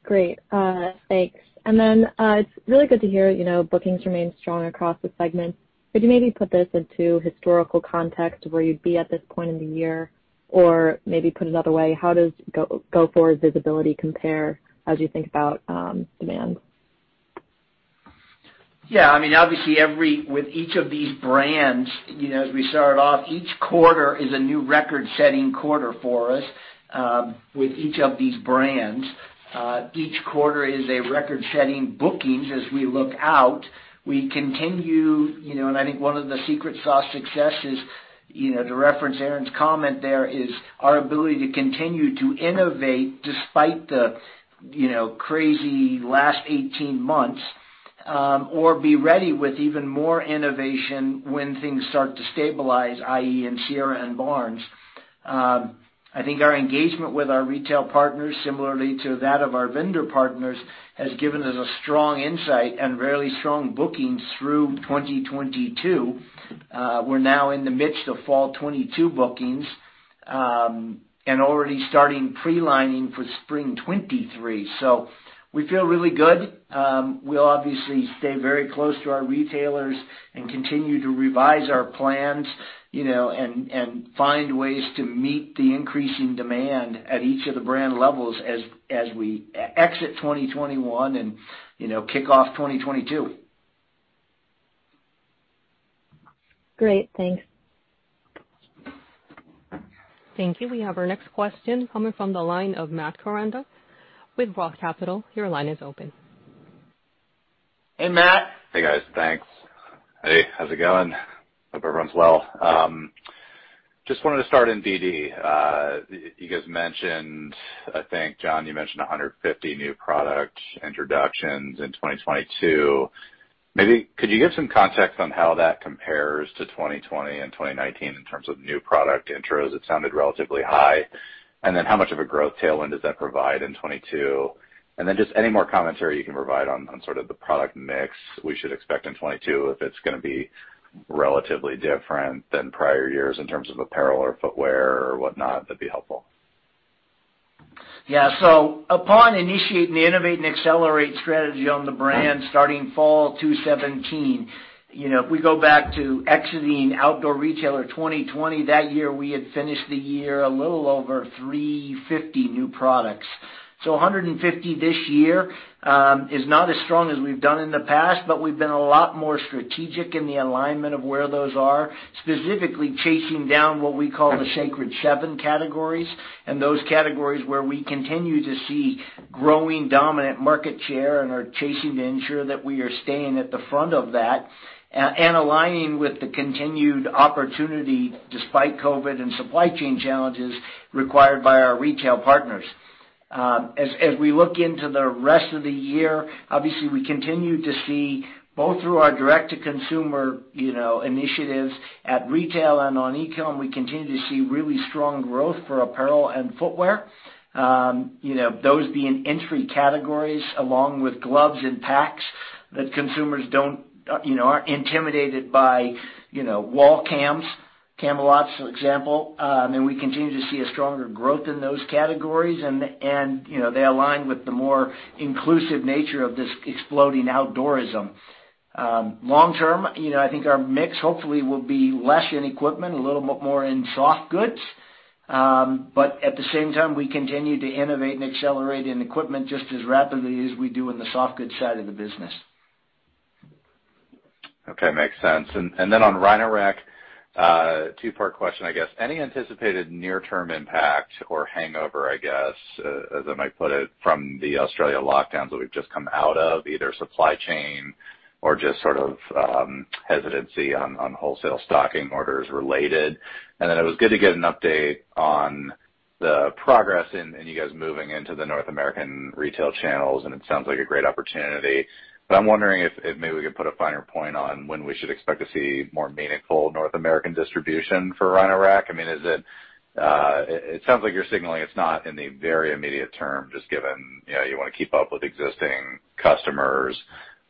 Great. Thanks. It's really good to hear, you know, bookings remain strong across the segments. Could you maybe put this into historical context of where you'd be at this point in the year? Or maybe put another way, how does go forward visibility compare as you think about demand? Yeah. I mean, obviously, with each of these brands, you know, as we start off, each quarter is a new record-setting quarter for us with each of these brands. Each quarter is a record-setting bookings as we look out. We continue, you know, and I think one of the secret sauce successes, you know, to reference Aaron's comment there, is our ability to continue to innovate despite the, you know, crazy last 18 months, or be ready with even more innovation when things start to stabilize, i.e., in Sierra and Barnes. I think our engagement with our retail partners, similarly to that of our vendor partners, has given us a strong insight and really strong bookings through 2022. We're now in the midst of fall 2022 bookings, and already starting pre-lining for spring 2023. We feel really good. We'll obviously stay very close to our retailers and continue to revise our plans, you know, and find ways to meet the increasing demand at each of the brand levels as we exit 2021 and, you know, kick off 2022. Great. Thanks. Thank you. We have our next question coming from the line of Matt Koranda with ROTH Capital. Your line is open. Hey, Matt. Hey, guys. Thanks. Hey, how's it going? Hope everyone's well. Just wanted to start in DD. You guys mentioned, I think, John, you mentioned 150 new product introductions in 2022. Maybe could you give some context on how that compares to 2020 and 2019 in terms of new product intros? It sounded relatively high. Then how much of a growth tailwind does that provide in 2022? Then just any more commentary you can provide on sort of the product mix we should expect in 2022, if it's gonna be relatively different than prior years in terms of apparel or footwear or whatnot, that'd be helpful. Yeah. Upon initiating the Innovate and Accelerate strategy on the brand starting fall 2017, you know, if we go back to exiting Outdoor Retailer 2020, that year we had finished the year a little over 350 new products. 150 this year is not as strong as we've done in the past, but we've been a lot more strategic in the alignment of where those are, specifically chasing down what we call the Sacred Seven categories, and those categories where we continue to see growing dominant market share and are chasing to ensure that we are staying at the front of that and aligning with the continued opportunity despite COVID and supply chain challenges required by our retail partners. As we look into the rest of the year, obviously we continue to see both through our direct-to-consumer, you know, initiatives at retail and on e-com, we continue to see really strong growth for apparel and footwear. You know, those being entry categories along with gloves and packs that consumers don't, you know, aren't intimidated by, you know, wall cams, Camalot, for example. We continue to see a stronger growth in those categories and, you know, they align with the more inclusive nature of this exploding outdoorism. Long term, you know, I think our mix hopefully will be less in equipment, a little more in soft goods. At the same time, we continue to Innovate and Accelerate in equipment just as rapidly as we do in the soft goods side of the business. Okay. Makes sense. Then on Rhino-Rack, two-part question, I guess. Any anticipated near-term impact or hangover, I guess, as I might put it, from the Australia lockdowns that we've just come out of, either supply chain or just sort of hesitancy on wholesale stocking orders related? Then it was good to get an update on the progress in you guys moving into the North American retail channels, and it sounds like a great opportunity. I'm wondering if maybe we could put a finer point on when we should expect to see more meaningful North American distribution for Rhino-Rack. I mean, is it? It sounds like you're signaling it's not in the very immediate term, just given, you know, you wanna keep up with existing customers.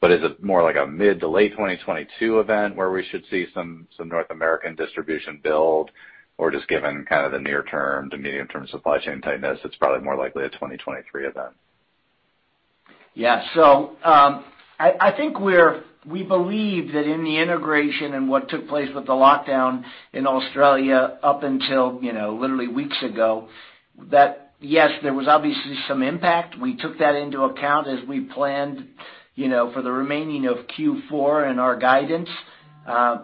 Is it more like a mid- to late-2022 event where we should see some North American distribution build? Or just given kind of the near-term to medium-term supply chain tightness, it's probably more likely a 2023 event. Yeah, I think we believe that in the integration and what took place with the lockdown in Australia up until, you know, literally weeks ago, that, yes, there was obviously some impact. We took that into account as we planned, you know, for the remaining of Q4 and our guidance.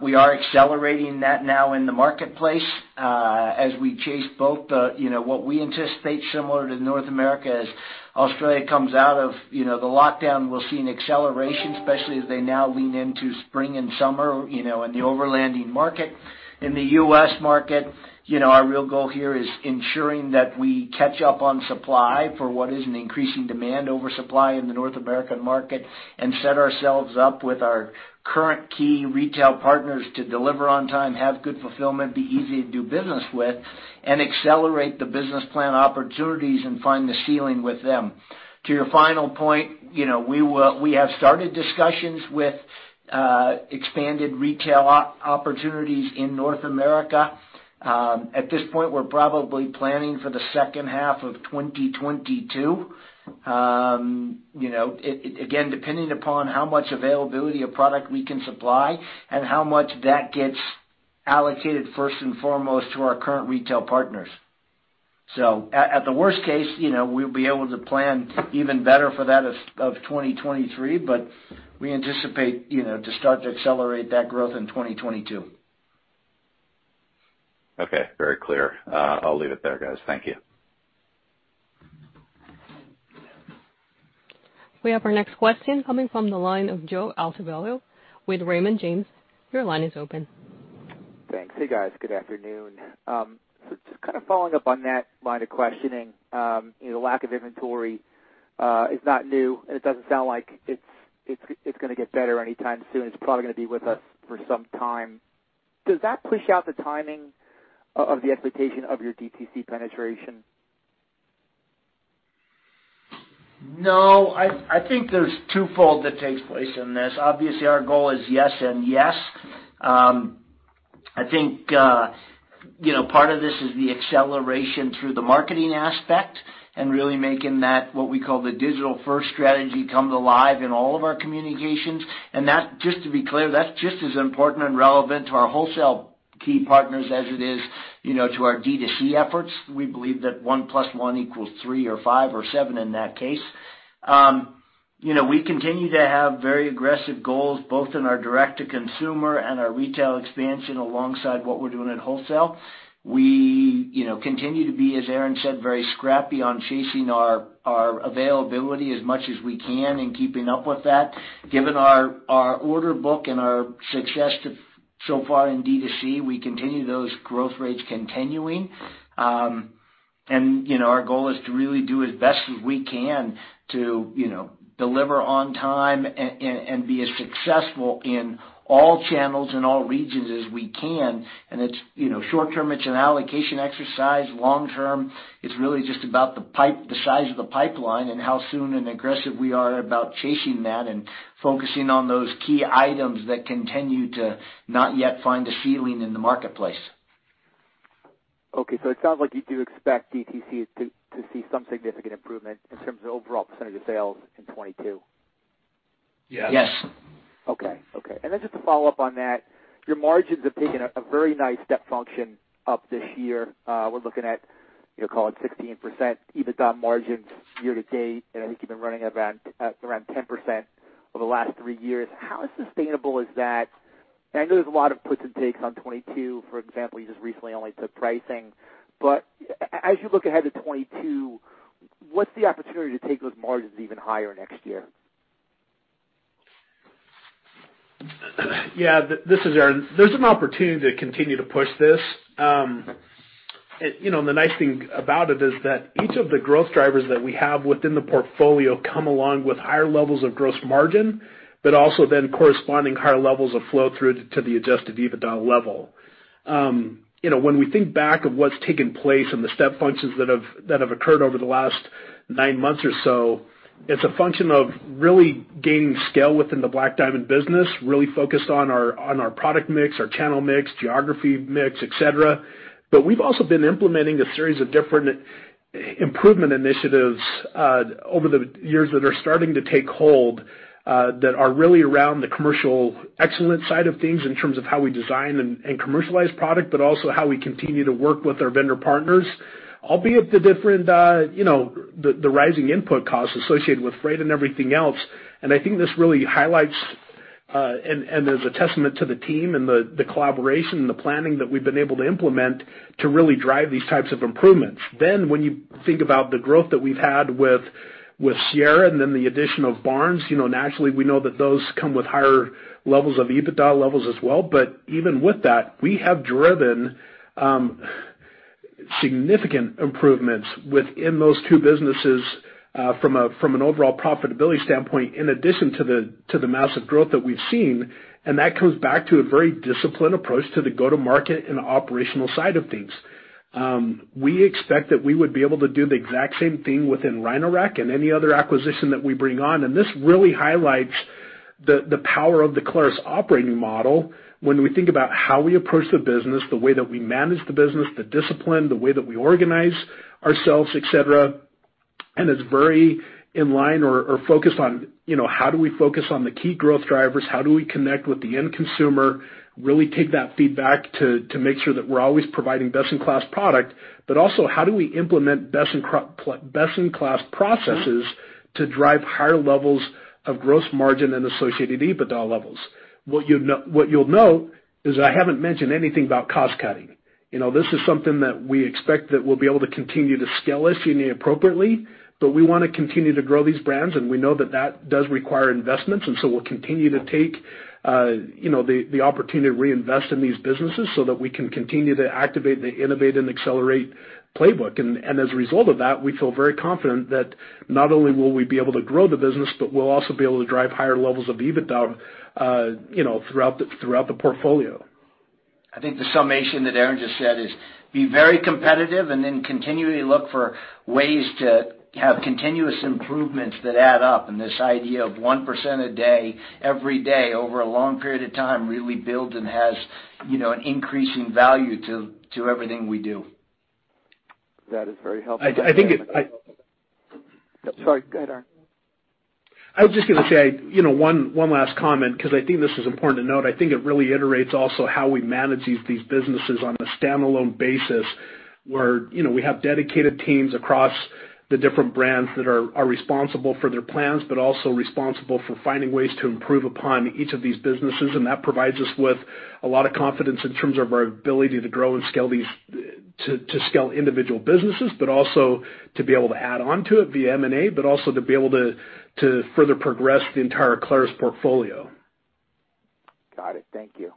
We are accelerating that now in the marketplace, as we chase both the, you know, what we anticipate similar to North America as Australia comes out of, you know, the lockdown. We'll see an acceleration, especially as they now lean into spring and summer, you know, in the overlanding market. In the U.S. market, you know, our real goal here is ensuring that we catch up on supply for what is an increasing demand over supply in the North American market and set ourselves up with our current key retail partners to deliver on time, have good fulfillment, be easy to do business with, and accelerate the business plan opportunities and find the ceiling with them. To your final point, you know, we have started discussions with expanded retail opportunities in North America. At this point, we're probably planning for the second half of 2022. You know, again, depending upon how much availability of product we can supply and how much that gets allocated first and foremost to our current retail partners. At the worst case, you know, we'll be able to plan even better for that of 2023, but we anticipate, you know, to start to accelerate that growth in 2022. Okay. Very clear. I'll leave it there, guys. Thank you. We have our next question coming from the line of Joe Altobello with Raymond James. Your line is open. Thanks. Hey, guys. Good afternoon. Just kind of following up on that line of questioning, you know, lack of inventory is not new, and it doesn't sound like it's gonna get better anytime soon. It's probably gonna be with us for some time. Does that push out the timing of the expectation of your DTC penetration? No. I think there's twofold that takes place in this. Obviously, our goal is yes and yes. I think, you know, part of this is the acceleration through the marketing aspect and really making that what we call the digital-first strategy come to life in all of our communications. That, just to be clear, that's just as important and relevant to our wholesale key partners as it is, you know, to our D2C efforts. We believe that one plus one equals three or five or seven in that case. You know, we continue to have very aggressive goals, both in our direct-to-consumer and our retail expansion alongside what we're doing at wholesale. You know, we continue to be, as Aaron said, very scrappy on chasing our availability as much as we can and keeping up with that. Given our order book and our success so far in D2C, we continue those growth rates continuing. You know, our goal is to really do as best as we can to, you know, deliver on time and be as successful in all channels in all regions as we can, and it's, you know, short term, it's an allocation exercise. Long term, it's really just about the pipe, the size of the pipeline and how soon and aggressive we are about chasing that and focusing on those key items that continue to not yet find a ceiling in the marketplace. Okay. It sounds like you do expect DTC to see some significant improvement in terms of overall percentage of sales in 2022. Yes. Okay. Just to follow up on that, your margins have taken a very nice step function up this year. We're looking at, you know, call it 16% EBITDA margins year to date, and I think you've been running around around 10% over the last three years. How sustainable is that? I know there's a lot of puts and takes on 2022. For example, you just recently only took pricing. As you look ahead to 2022, what's the opportunity to take those margins even higher next year? Yeah. This is Aaron. There's an opportunity to continue to push this. You know, the nice thing about it is that each of the growth drivers that we have within the portfolio come along with higher levels of gross margin, but also then corresponding higher levels of flow through to the Adjusted EBITDA level. You know, when we think back of what's taken place and the step functions that have occurred over the last nine months or so, it's a function of really gaining scale within the Black Diamond business, really focused on our product mix, our channel mix, geography mix, et cetera. We've also been implementing a series of different improvement initiatives over the years that are starting to take hold that are really around the commercial excellence side of things in terms of how we design and commercialize product, but also how we continue to work with our vendor partners, albeit the different, the rising input costs associated with freight and everything else. I think this really highlights and is a testament to the team and the collaboration and the planning that we've been able to implement to really drive these types of improvements. When you think about the growth that we've had with Sierra and then the addition of Barnes, you know, naturally, we know that those come with higher levels of EBITDA levels as well. Even with that, we have driven significant improvements within those two businesses, from an overall profitability standpoint, in addition to the massive growth that we've seen, and that comes back to a very disciplined approach to the go-to-market and operational side of things. We expect that we would be able to do the exact same thing within Rhino-Rack and any other acquisition that we bring on. This really highlights the power of the Clarus operating model when we think about how we approach the business, the way that we manage the business, the discipline, the way that we organize ourselves, et cetera. It's very in line or focused on, you know, how do we focus on the key growth drivers? How do we connect with the end consumer, really take that feedback to make sure that we're always providing best-in-class product, but also how do we implement best-in-class processes to drive higher levels of gross margin and associated EBITDA levels? What you'll note is that I haven't mentioned anything about cost cutting. You know, this is something that we expect that we'll be able to continue to scale as we need appropriately, but we wanna continue to grow these brands, and we know that that does require investments. We'll continue to take, you know, the opportunity to reinvest in these businesses so that we can continue to activate the innovate and accelerate playbook. As a result of that, we feel very confident that not only will we be able to grow the business, but we'll also be able to drive higher levels of EBITDA, you know, throughout the portfolio. I think the summation that Aaron just said is be very competitive and then continually look for ways to have continuous improvements that add up. This idea of 1% a day, every day over a long period of time really builds and has, you know, an increasing value to everything we do. That is very helpful. I think it. Sorry. Go ahead, Aaron. I was just gonna say, you know, one last comment because I think this is important to note. I think it really illustrates also how we manage these businesses on a standalone basis, where, you know, we have dedicated teams across the different brands that are responsible for their plans, but also responsible for finding ways to improve upon each of these businesses. That provides us with a lot of confidence in terms of our ability to grow and scale these, to scale individual businesses, but also to be able to add on to it via M&A, but also to be able to further progress the entire Clarus portfolio. Got it. Thank you.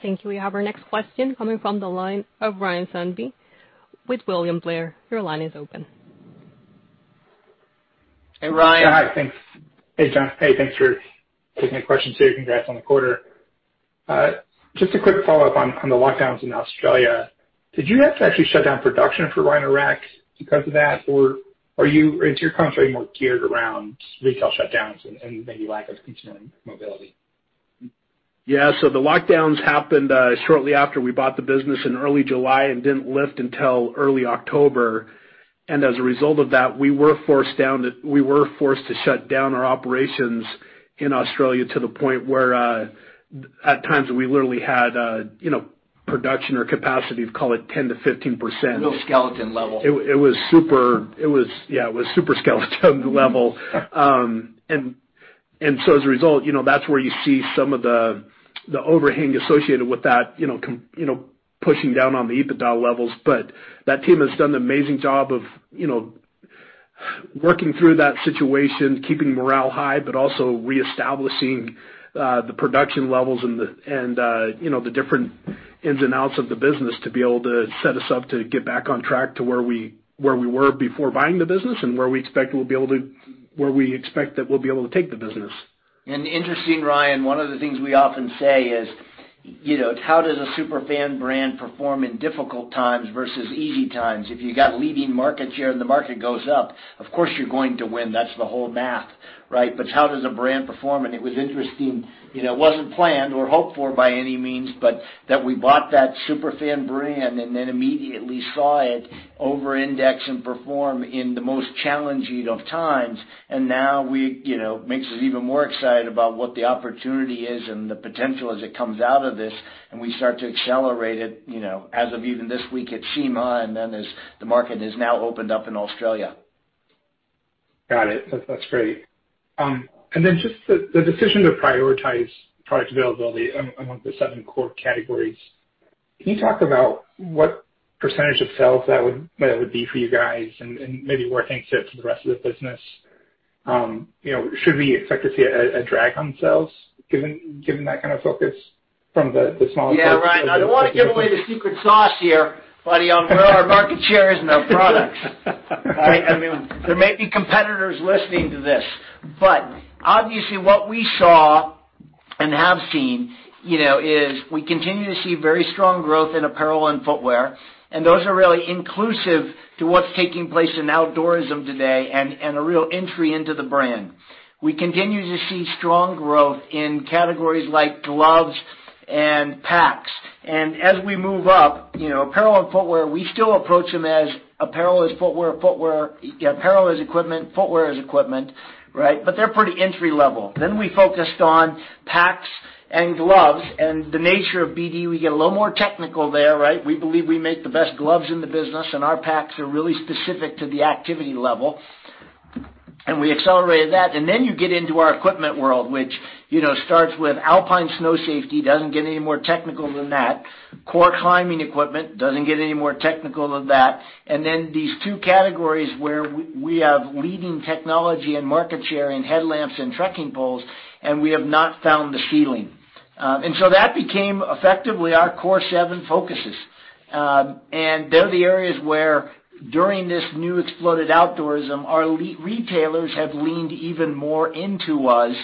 Thank you. We have our next question coming from the line of Ryan Sundby with William Blair. Your line is open. Hey, Ryan. Hey, John. Thanks for taking the question too. Congrats on the quarter. Just a quick follow-up on the lockdowns in Australia. Did you have to actually shut down production for Rhino-Rack because of that, or is your contract more geared around retail shutdowns and maybe lack of consumer mobility? Yeah. The lockdowns happened shortly after we bought the business in early July and didn't lift until early October. As a result of that, we were forced to shut down our operations in Australia to the point where, at times we literally had, you know, production or capacity of, call it 10%-15%. Real skeleton level. It was super skeleton level. As a result, you know, that's where you see some of the overhang associated with that, you know, pushing down on the EBITDA levels. That team has done an amazing job of, you know, working through that situation, keeping morale high, but also reestablishing the production levels and, you know, the different ins and outs of the business to be able to set us up to get back on track to where we were before buying the business and where we expect that we'll be able to take the business. Interesting, Ryan, one of the things we often say is, you know, how does a Super Fan brand perform in difficult times versus easy times? If you got leading market share and the market goes up, of course you're going to win. That's the whole math, right? But how does a brand perform? It was interesting. You know, it wasn't planned or hoped for by any means, but that we bought that Super Fan brand and then immediately saw it over index and perform in the most challenging of times. Now we, you know, makes us even more excited about what the opportunity is and the potential as it comes out of this and we start to accelerate it, you know, as of even this week at SEMA and then as the market has now opened up in Australia. Got it. That's great. Just the decision to prioritize product availability among the seven core categories, can you talk about what percentage of sales that would be for you guys and maybe where it fits into the rest of the business? You know, should we expect to see a drag on sales given that kind of focus from the smaller- Yeah, Ryan. I don't want to give away the secret sauce here, buddy, on where our market share is in our products. Right? I mean, there may be competitors listening to this. Obviously what we saw and have seen, you know, is we continue to see very strong growth in apparel and footwear, and those are really inclusive to what's taking place in outdoorism today and a real entry into the brand. We continue to see strong growth in categories like gloves and packs. As we move up, you know, apparel and footwear, we still approach them as apparel is footwear apparel is equipment, footwear is equipment, right? They're pretty entry-level. We focused on packs and gloves and the nature of BD. We get a little more technical there, right? We believe we make the best gloves in the business, and our packs are really specific to the activity level, and we accelerated that. Then you get into our equipment world, which, you know, starts with alpine snow safety. Doesn't get any more technical than that. Core climbing equipment. Doesn't get any more technical than that. Then these two categories where we have leading technology and market share in headlamps and trekking poles, and we have not found the ceiling. That became effectively our Sacred Seven focuses. They're the areas where, during this new exploded outdoorism, our retailers have leaned even more into us.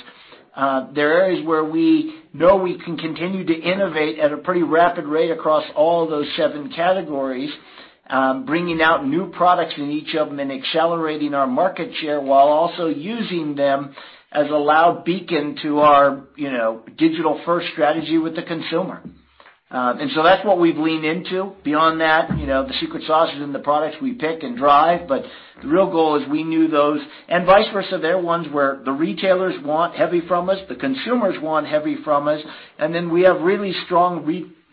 They're areas where we know we can continue to innovate at a pretty rapid rate across all those seven categories, bringing out new products in each of them and accelerating our market share while also using them as a loud beacon to our, you know, digital-first strategy with the consumer. That's what we've leaned into. Beyond that, you know, the secret sauce is in the products we pick and drive, but the real goal is we know those and vice versa. They're ones where the retailers want heavily from us, the consumers want heavily from us, and then we have really strong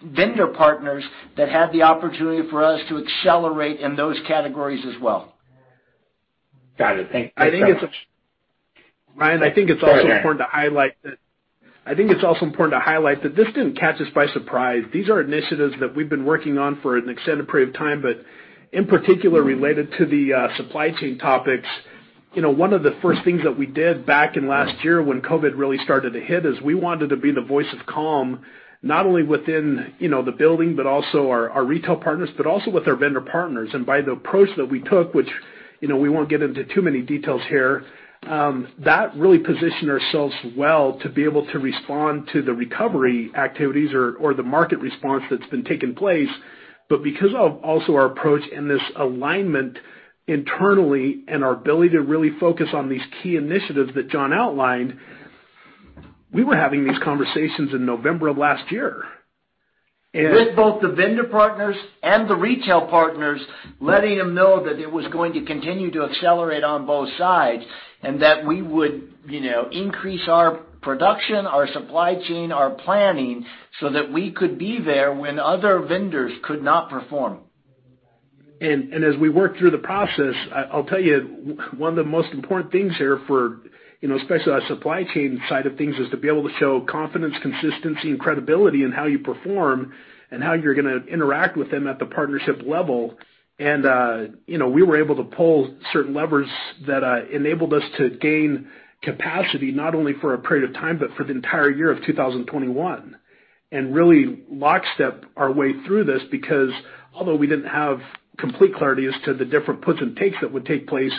vendor partners that have the opportunity for us to accelerate in those categories as well. Got it. Thank you. I think it's- Go ahead, Aaron. Ryan, I think it's also important to highlight that this didn't catch us by surprise. These are initiatives that we've been working on for an extended period of time, but in particular related to the supply chain topics. You know, one of the first things that we did back in last year when COVID really started to hit is we wanted to be the voice of calm, not only within, you know, the building, but also our retail partners, but also with our vendor partners. By the approach that we took, which, you know, we won't get into too many details here, that really positioned ourselves well to be able to respond to the recovery activities or the market response that's been taking place. Because of also our approach and this alignment internally and our ability to really focus on these key initiatives that John outlined, we were having these conversations in November of last year. With both the vendor partners and the retail partners, letting them know that it was going to continue to accelerate on both sides and that we would, you know, increase our production, our supply chain, our planning, so that we could be there when other vendors could not perform. As we worked through the process, I'll tell you, one of the most important things here for, you know, especially on the supply chain side of things, is to be able to show confidence, consistency and credibility in how you perform and how you're gonna interact with them at the partnership level. You know, we were able to pull certain levers that enabled us to gain capacity, not only for a period of time, but for the entire year of 2021, and really lockstep our way through this. Because although we didn't have complete clarity as to the different puts and takes that would take place,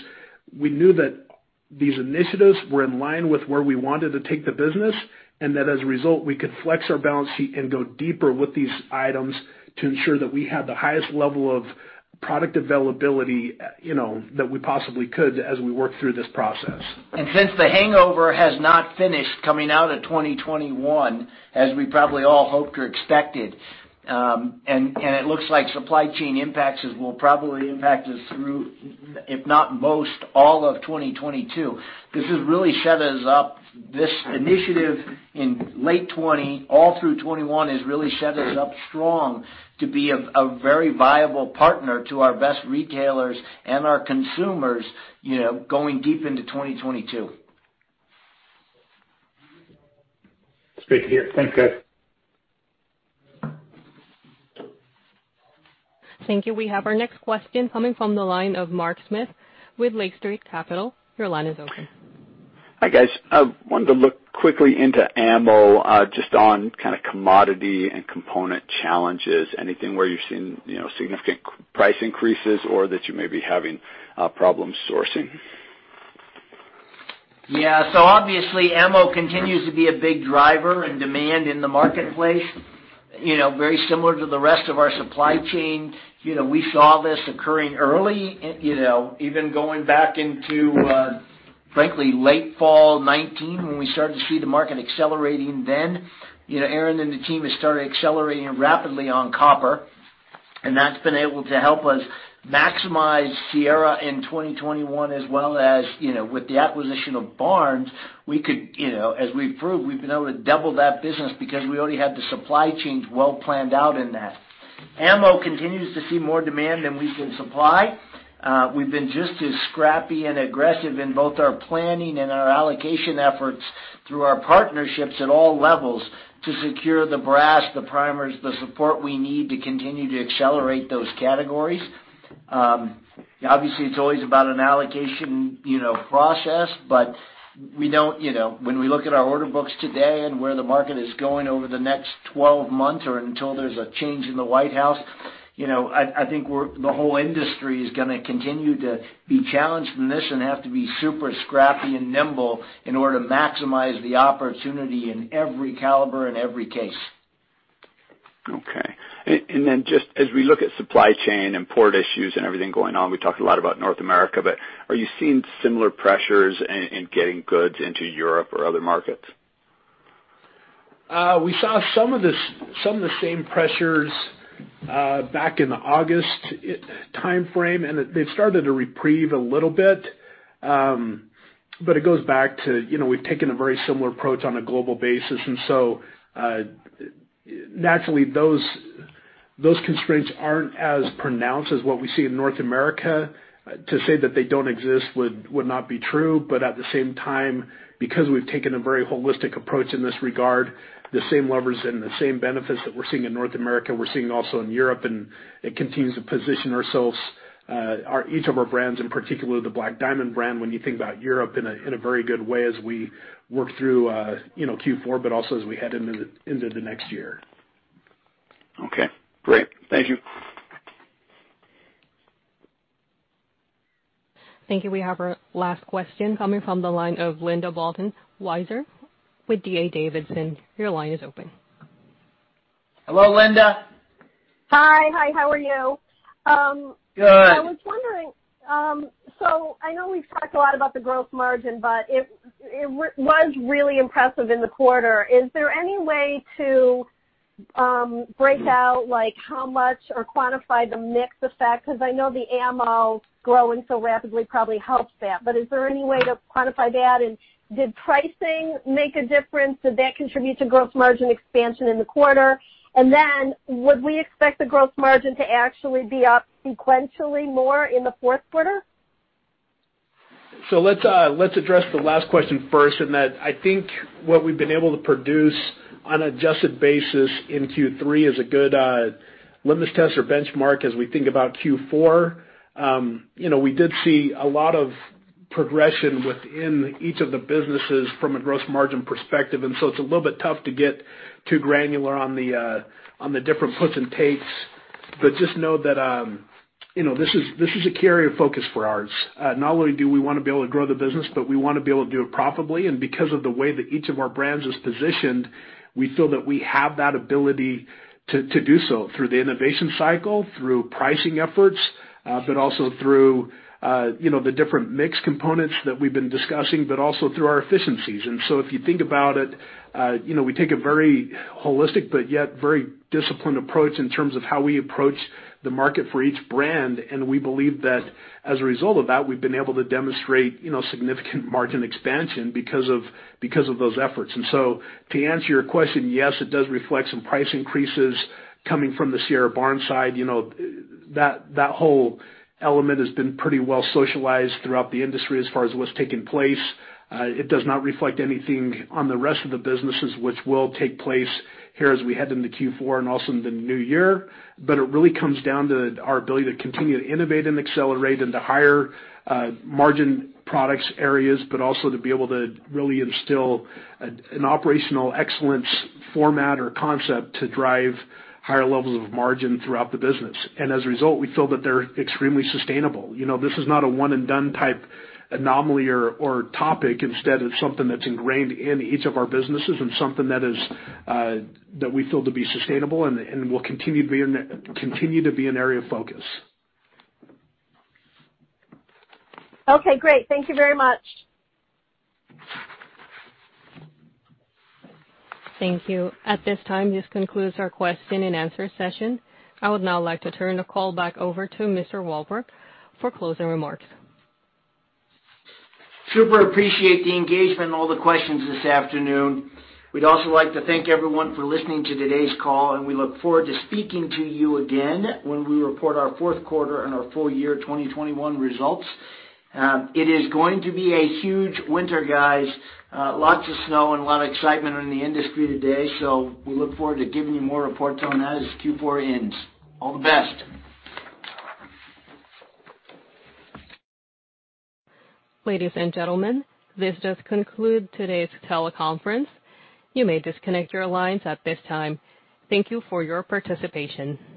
we knew that these initiatives were in line with where we wanted to take the business, and that as a result, we could flex our balance sheet and go deeper with these items to ensure that we had the highest level of product availability, you know, that we possibly could as we worked through this process. Since the hangover has not finished coming out of 2021 as we probably all hoped or expected, and it looks like supply chain will probably impact us through, if not most all of 2022, this just really set us up. This initiative in late 2020, all through 2021, has really set us up strong to be a very viable partner to our best retailers and our consumers, you know, going deep into 2022. It's great to hear. Thanks, guys. Thank you. We have our next question coming from the line of Mark Smith with Lake Street Capital Markets. Your line is open. Hi, guys. I wanted to look quickly into ammo, just on kinda commodity and component challenges. Anything where you're seeing, you know, significant price increases or that you may be having, problems sourcing? Yeah. Obviously, ammo continues to be a big driver and demand in the marketplace. You know, very similar to the rest of our supply chain. You know, we saw this occurring early and, you know, even going back into, frankly, late fall 2019 when we started to see the market accelerating then. You know, Aaron and the team has started accelerating rapidly on copper, and that's been able to help us maximize Sierra in 2021 as well as, you know, with the acquisition of Barnes, we could, you know, as we've proved, we've been able to double that business because we already had the supply chains well planned out in that. Ammo continues to see more demand than we can supply. We've been just as scrappy and aggressive in both our planning and our allocation efforts through our partnerships at all levels to secure the brass, the primers, the support we need to continue to accelerate those categories. Obviously, it's always about an allocation, you know, process, but we don't, you know, when we look at our order books today and where the market is going over the next 12 months or until there's a change in the White House, you know, I think we're the whole industry is gonna continue to be challenged in this and have to be super scrappy and nimble in order to maximize the opportunity in every caliber and every case. Okay. Just as we look at supply chain and port issues and everything going on, we talked a lot about North America, but are you seeing similar pressures in getting goods into Europe or other markets? We saw some of this, some of the same pressures back in the August timeframe, and they've started to relieve a little bit. It goes back to, you know, we've taken a very similar approach on a global basis, and so naturally, those constraints aren't as pronounced as what we see in North America. To say that they don't exist would not be true. At the same time, because we've taken a very holistic approach in this regard, the same levers and the same benefits that we're seeing in North America, we're seeing also in Europe, and it continues to position ourselves, each of our brands, and particularly the Black Diamond brand, when you think about Europe in a very good way as we work through, you know, Q4, but also as we head into the next year. Okay, great. Thank you. Thank you. We have our last question coming from the line of Linda Bolton Weiser with D.A. Davidson. Your line is open. Hello, Linda. Hi. Hi, how are you? Good. I was wondering, so I know we've talked a lot about the gross margin, but it was really impressive in the quarter. Is there any way to break out, like, how much or quantify the mix effect? 'Cause I know the ammo growing so rapidly probably helps that. But is there any way to quantify that? And did pricing make a difference? Did that contribute to gross margin expansion in the quarter? And then would we expect the gross margin to actually be up sequentially more in the fourth quarter? Let's address the last question first, in that I think what we've been able to produce on adjusted basis in Q3 is a good litmus test or benchmark as we think about Q4. You know, we did see a lot of progression within each of the businesses from a gross margin perspective, and so it's a little bit tough to get too granular on the different puts and takes. But just know that, you know, this is a core area of focus for us. Not only do we wanna be able to grow the business, but we wanna be able to do it profitably. Because of the way that each of our brands is positioned, we feel that we have that ability to do so through the innovation cycle, through pricing efforts, but also through, you know, the different mix components that we've been discussing, but also through our efficiencies. If you think about it, you know, we take a very holistic but yet very disciplined approach in terms of how we approach the market for each brand. We believe that as a result of that, we've been able to demonstrate, you know, significant margin expansion because of those efforts. To answer your question, yes, it does reflect some price increases coming from the Sierra Barnes side. You know, that whole element has been pretty well socialized throughout the industry as far as what's taking place. It does not reflect anything on the rest of the businesses which will take place here as we head into Q4 and also in the new year. It really comes down to our ability to continue to Innovate and Accelerate into higher margin products areas, but also to be able to really instill an operational excellence format or concept to drive higher levels of margin throughout the business. As a result, we feel that they're extremely sustainable. You know, this is not a one and done type anomaly or topic. Instead, it's something that's ingrained in each of our businesses and something that is that we feel to be sustainable and will continue to be an area of focus. Okay, great. Thank you very much. Thank you. At this time, this concludes our question and answer session. I would now like to turn the call back over to Mr. Walbrecht for closing remarks. Super appreciate the engagement and all the questions this afternoon. We'd also like to thank everyone for listening to today's call, and we look forward to speaking to you again when we report our fourth quarter and our full year 2021 results. It is going to be a huge winter, guys. Lots of snow and a lot of excitement in the industry today. We look forward to giving you more reports on that as Q4 ends. All the best. Ladies and gentlemen, this does conclude today's teleconference. You may disconnect your lines at this time. Thank you for your participation.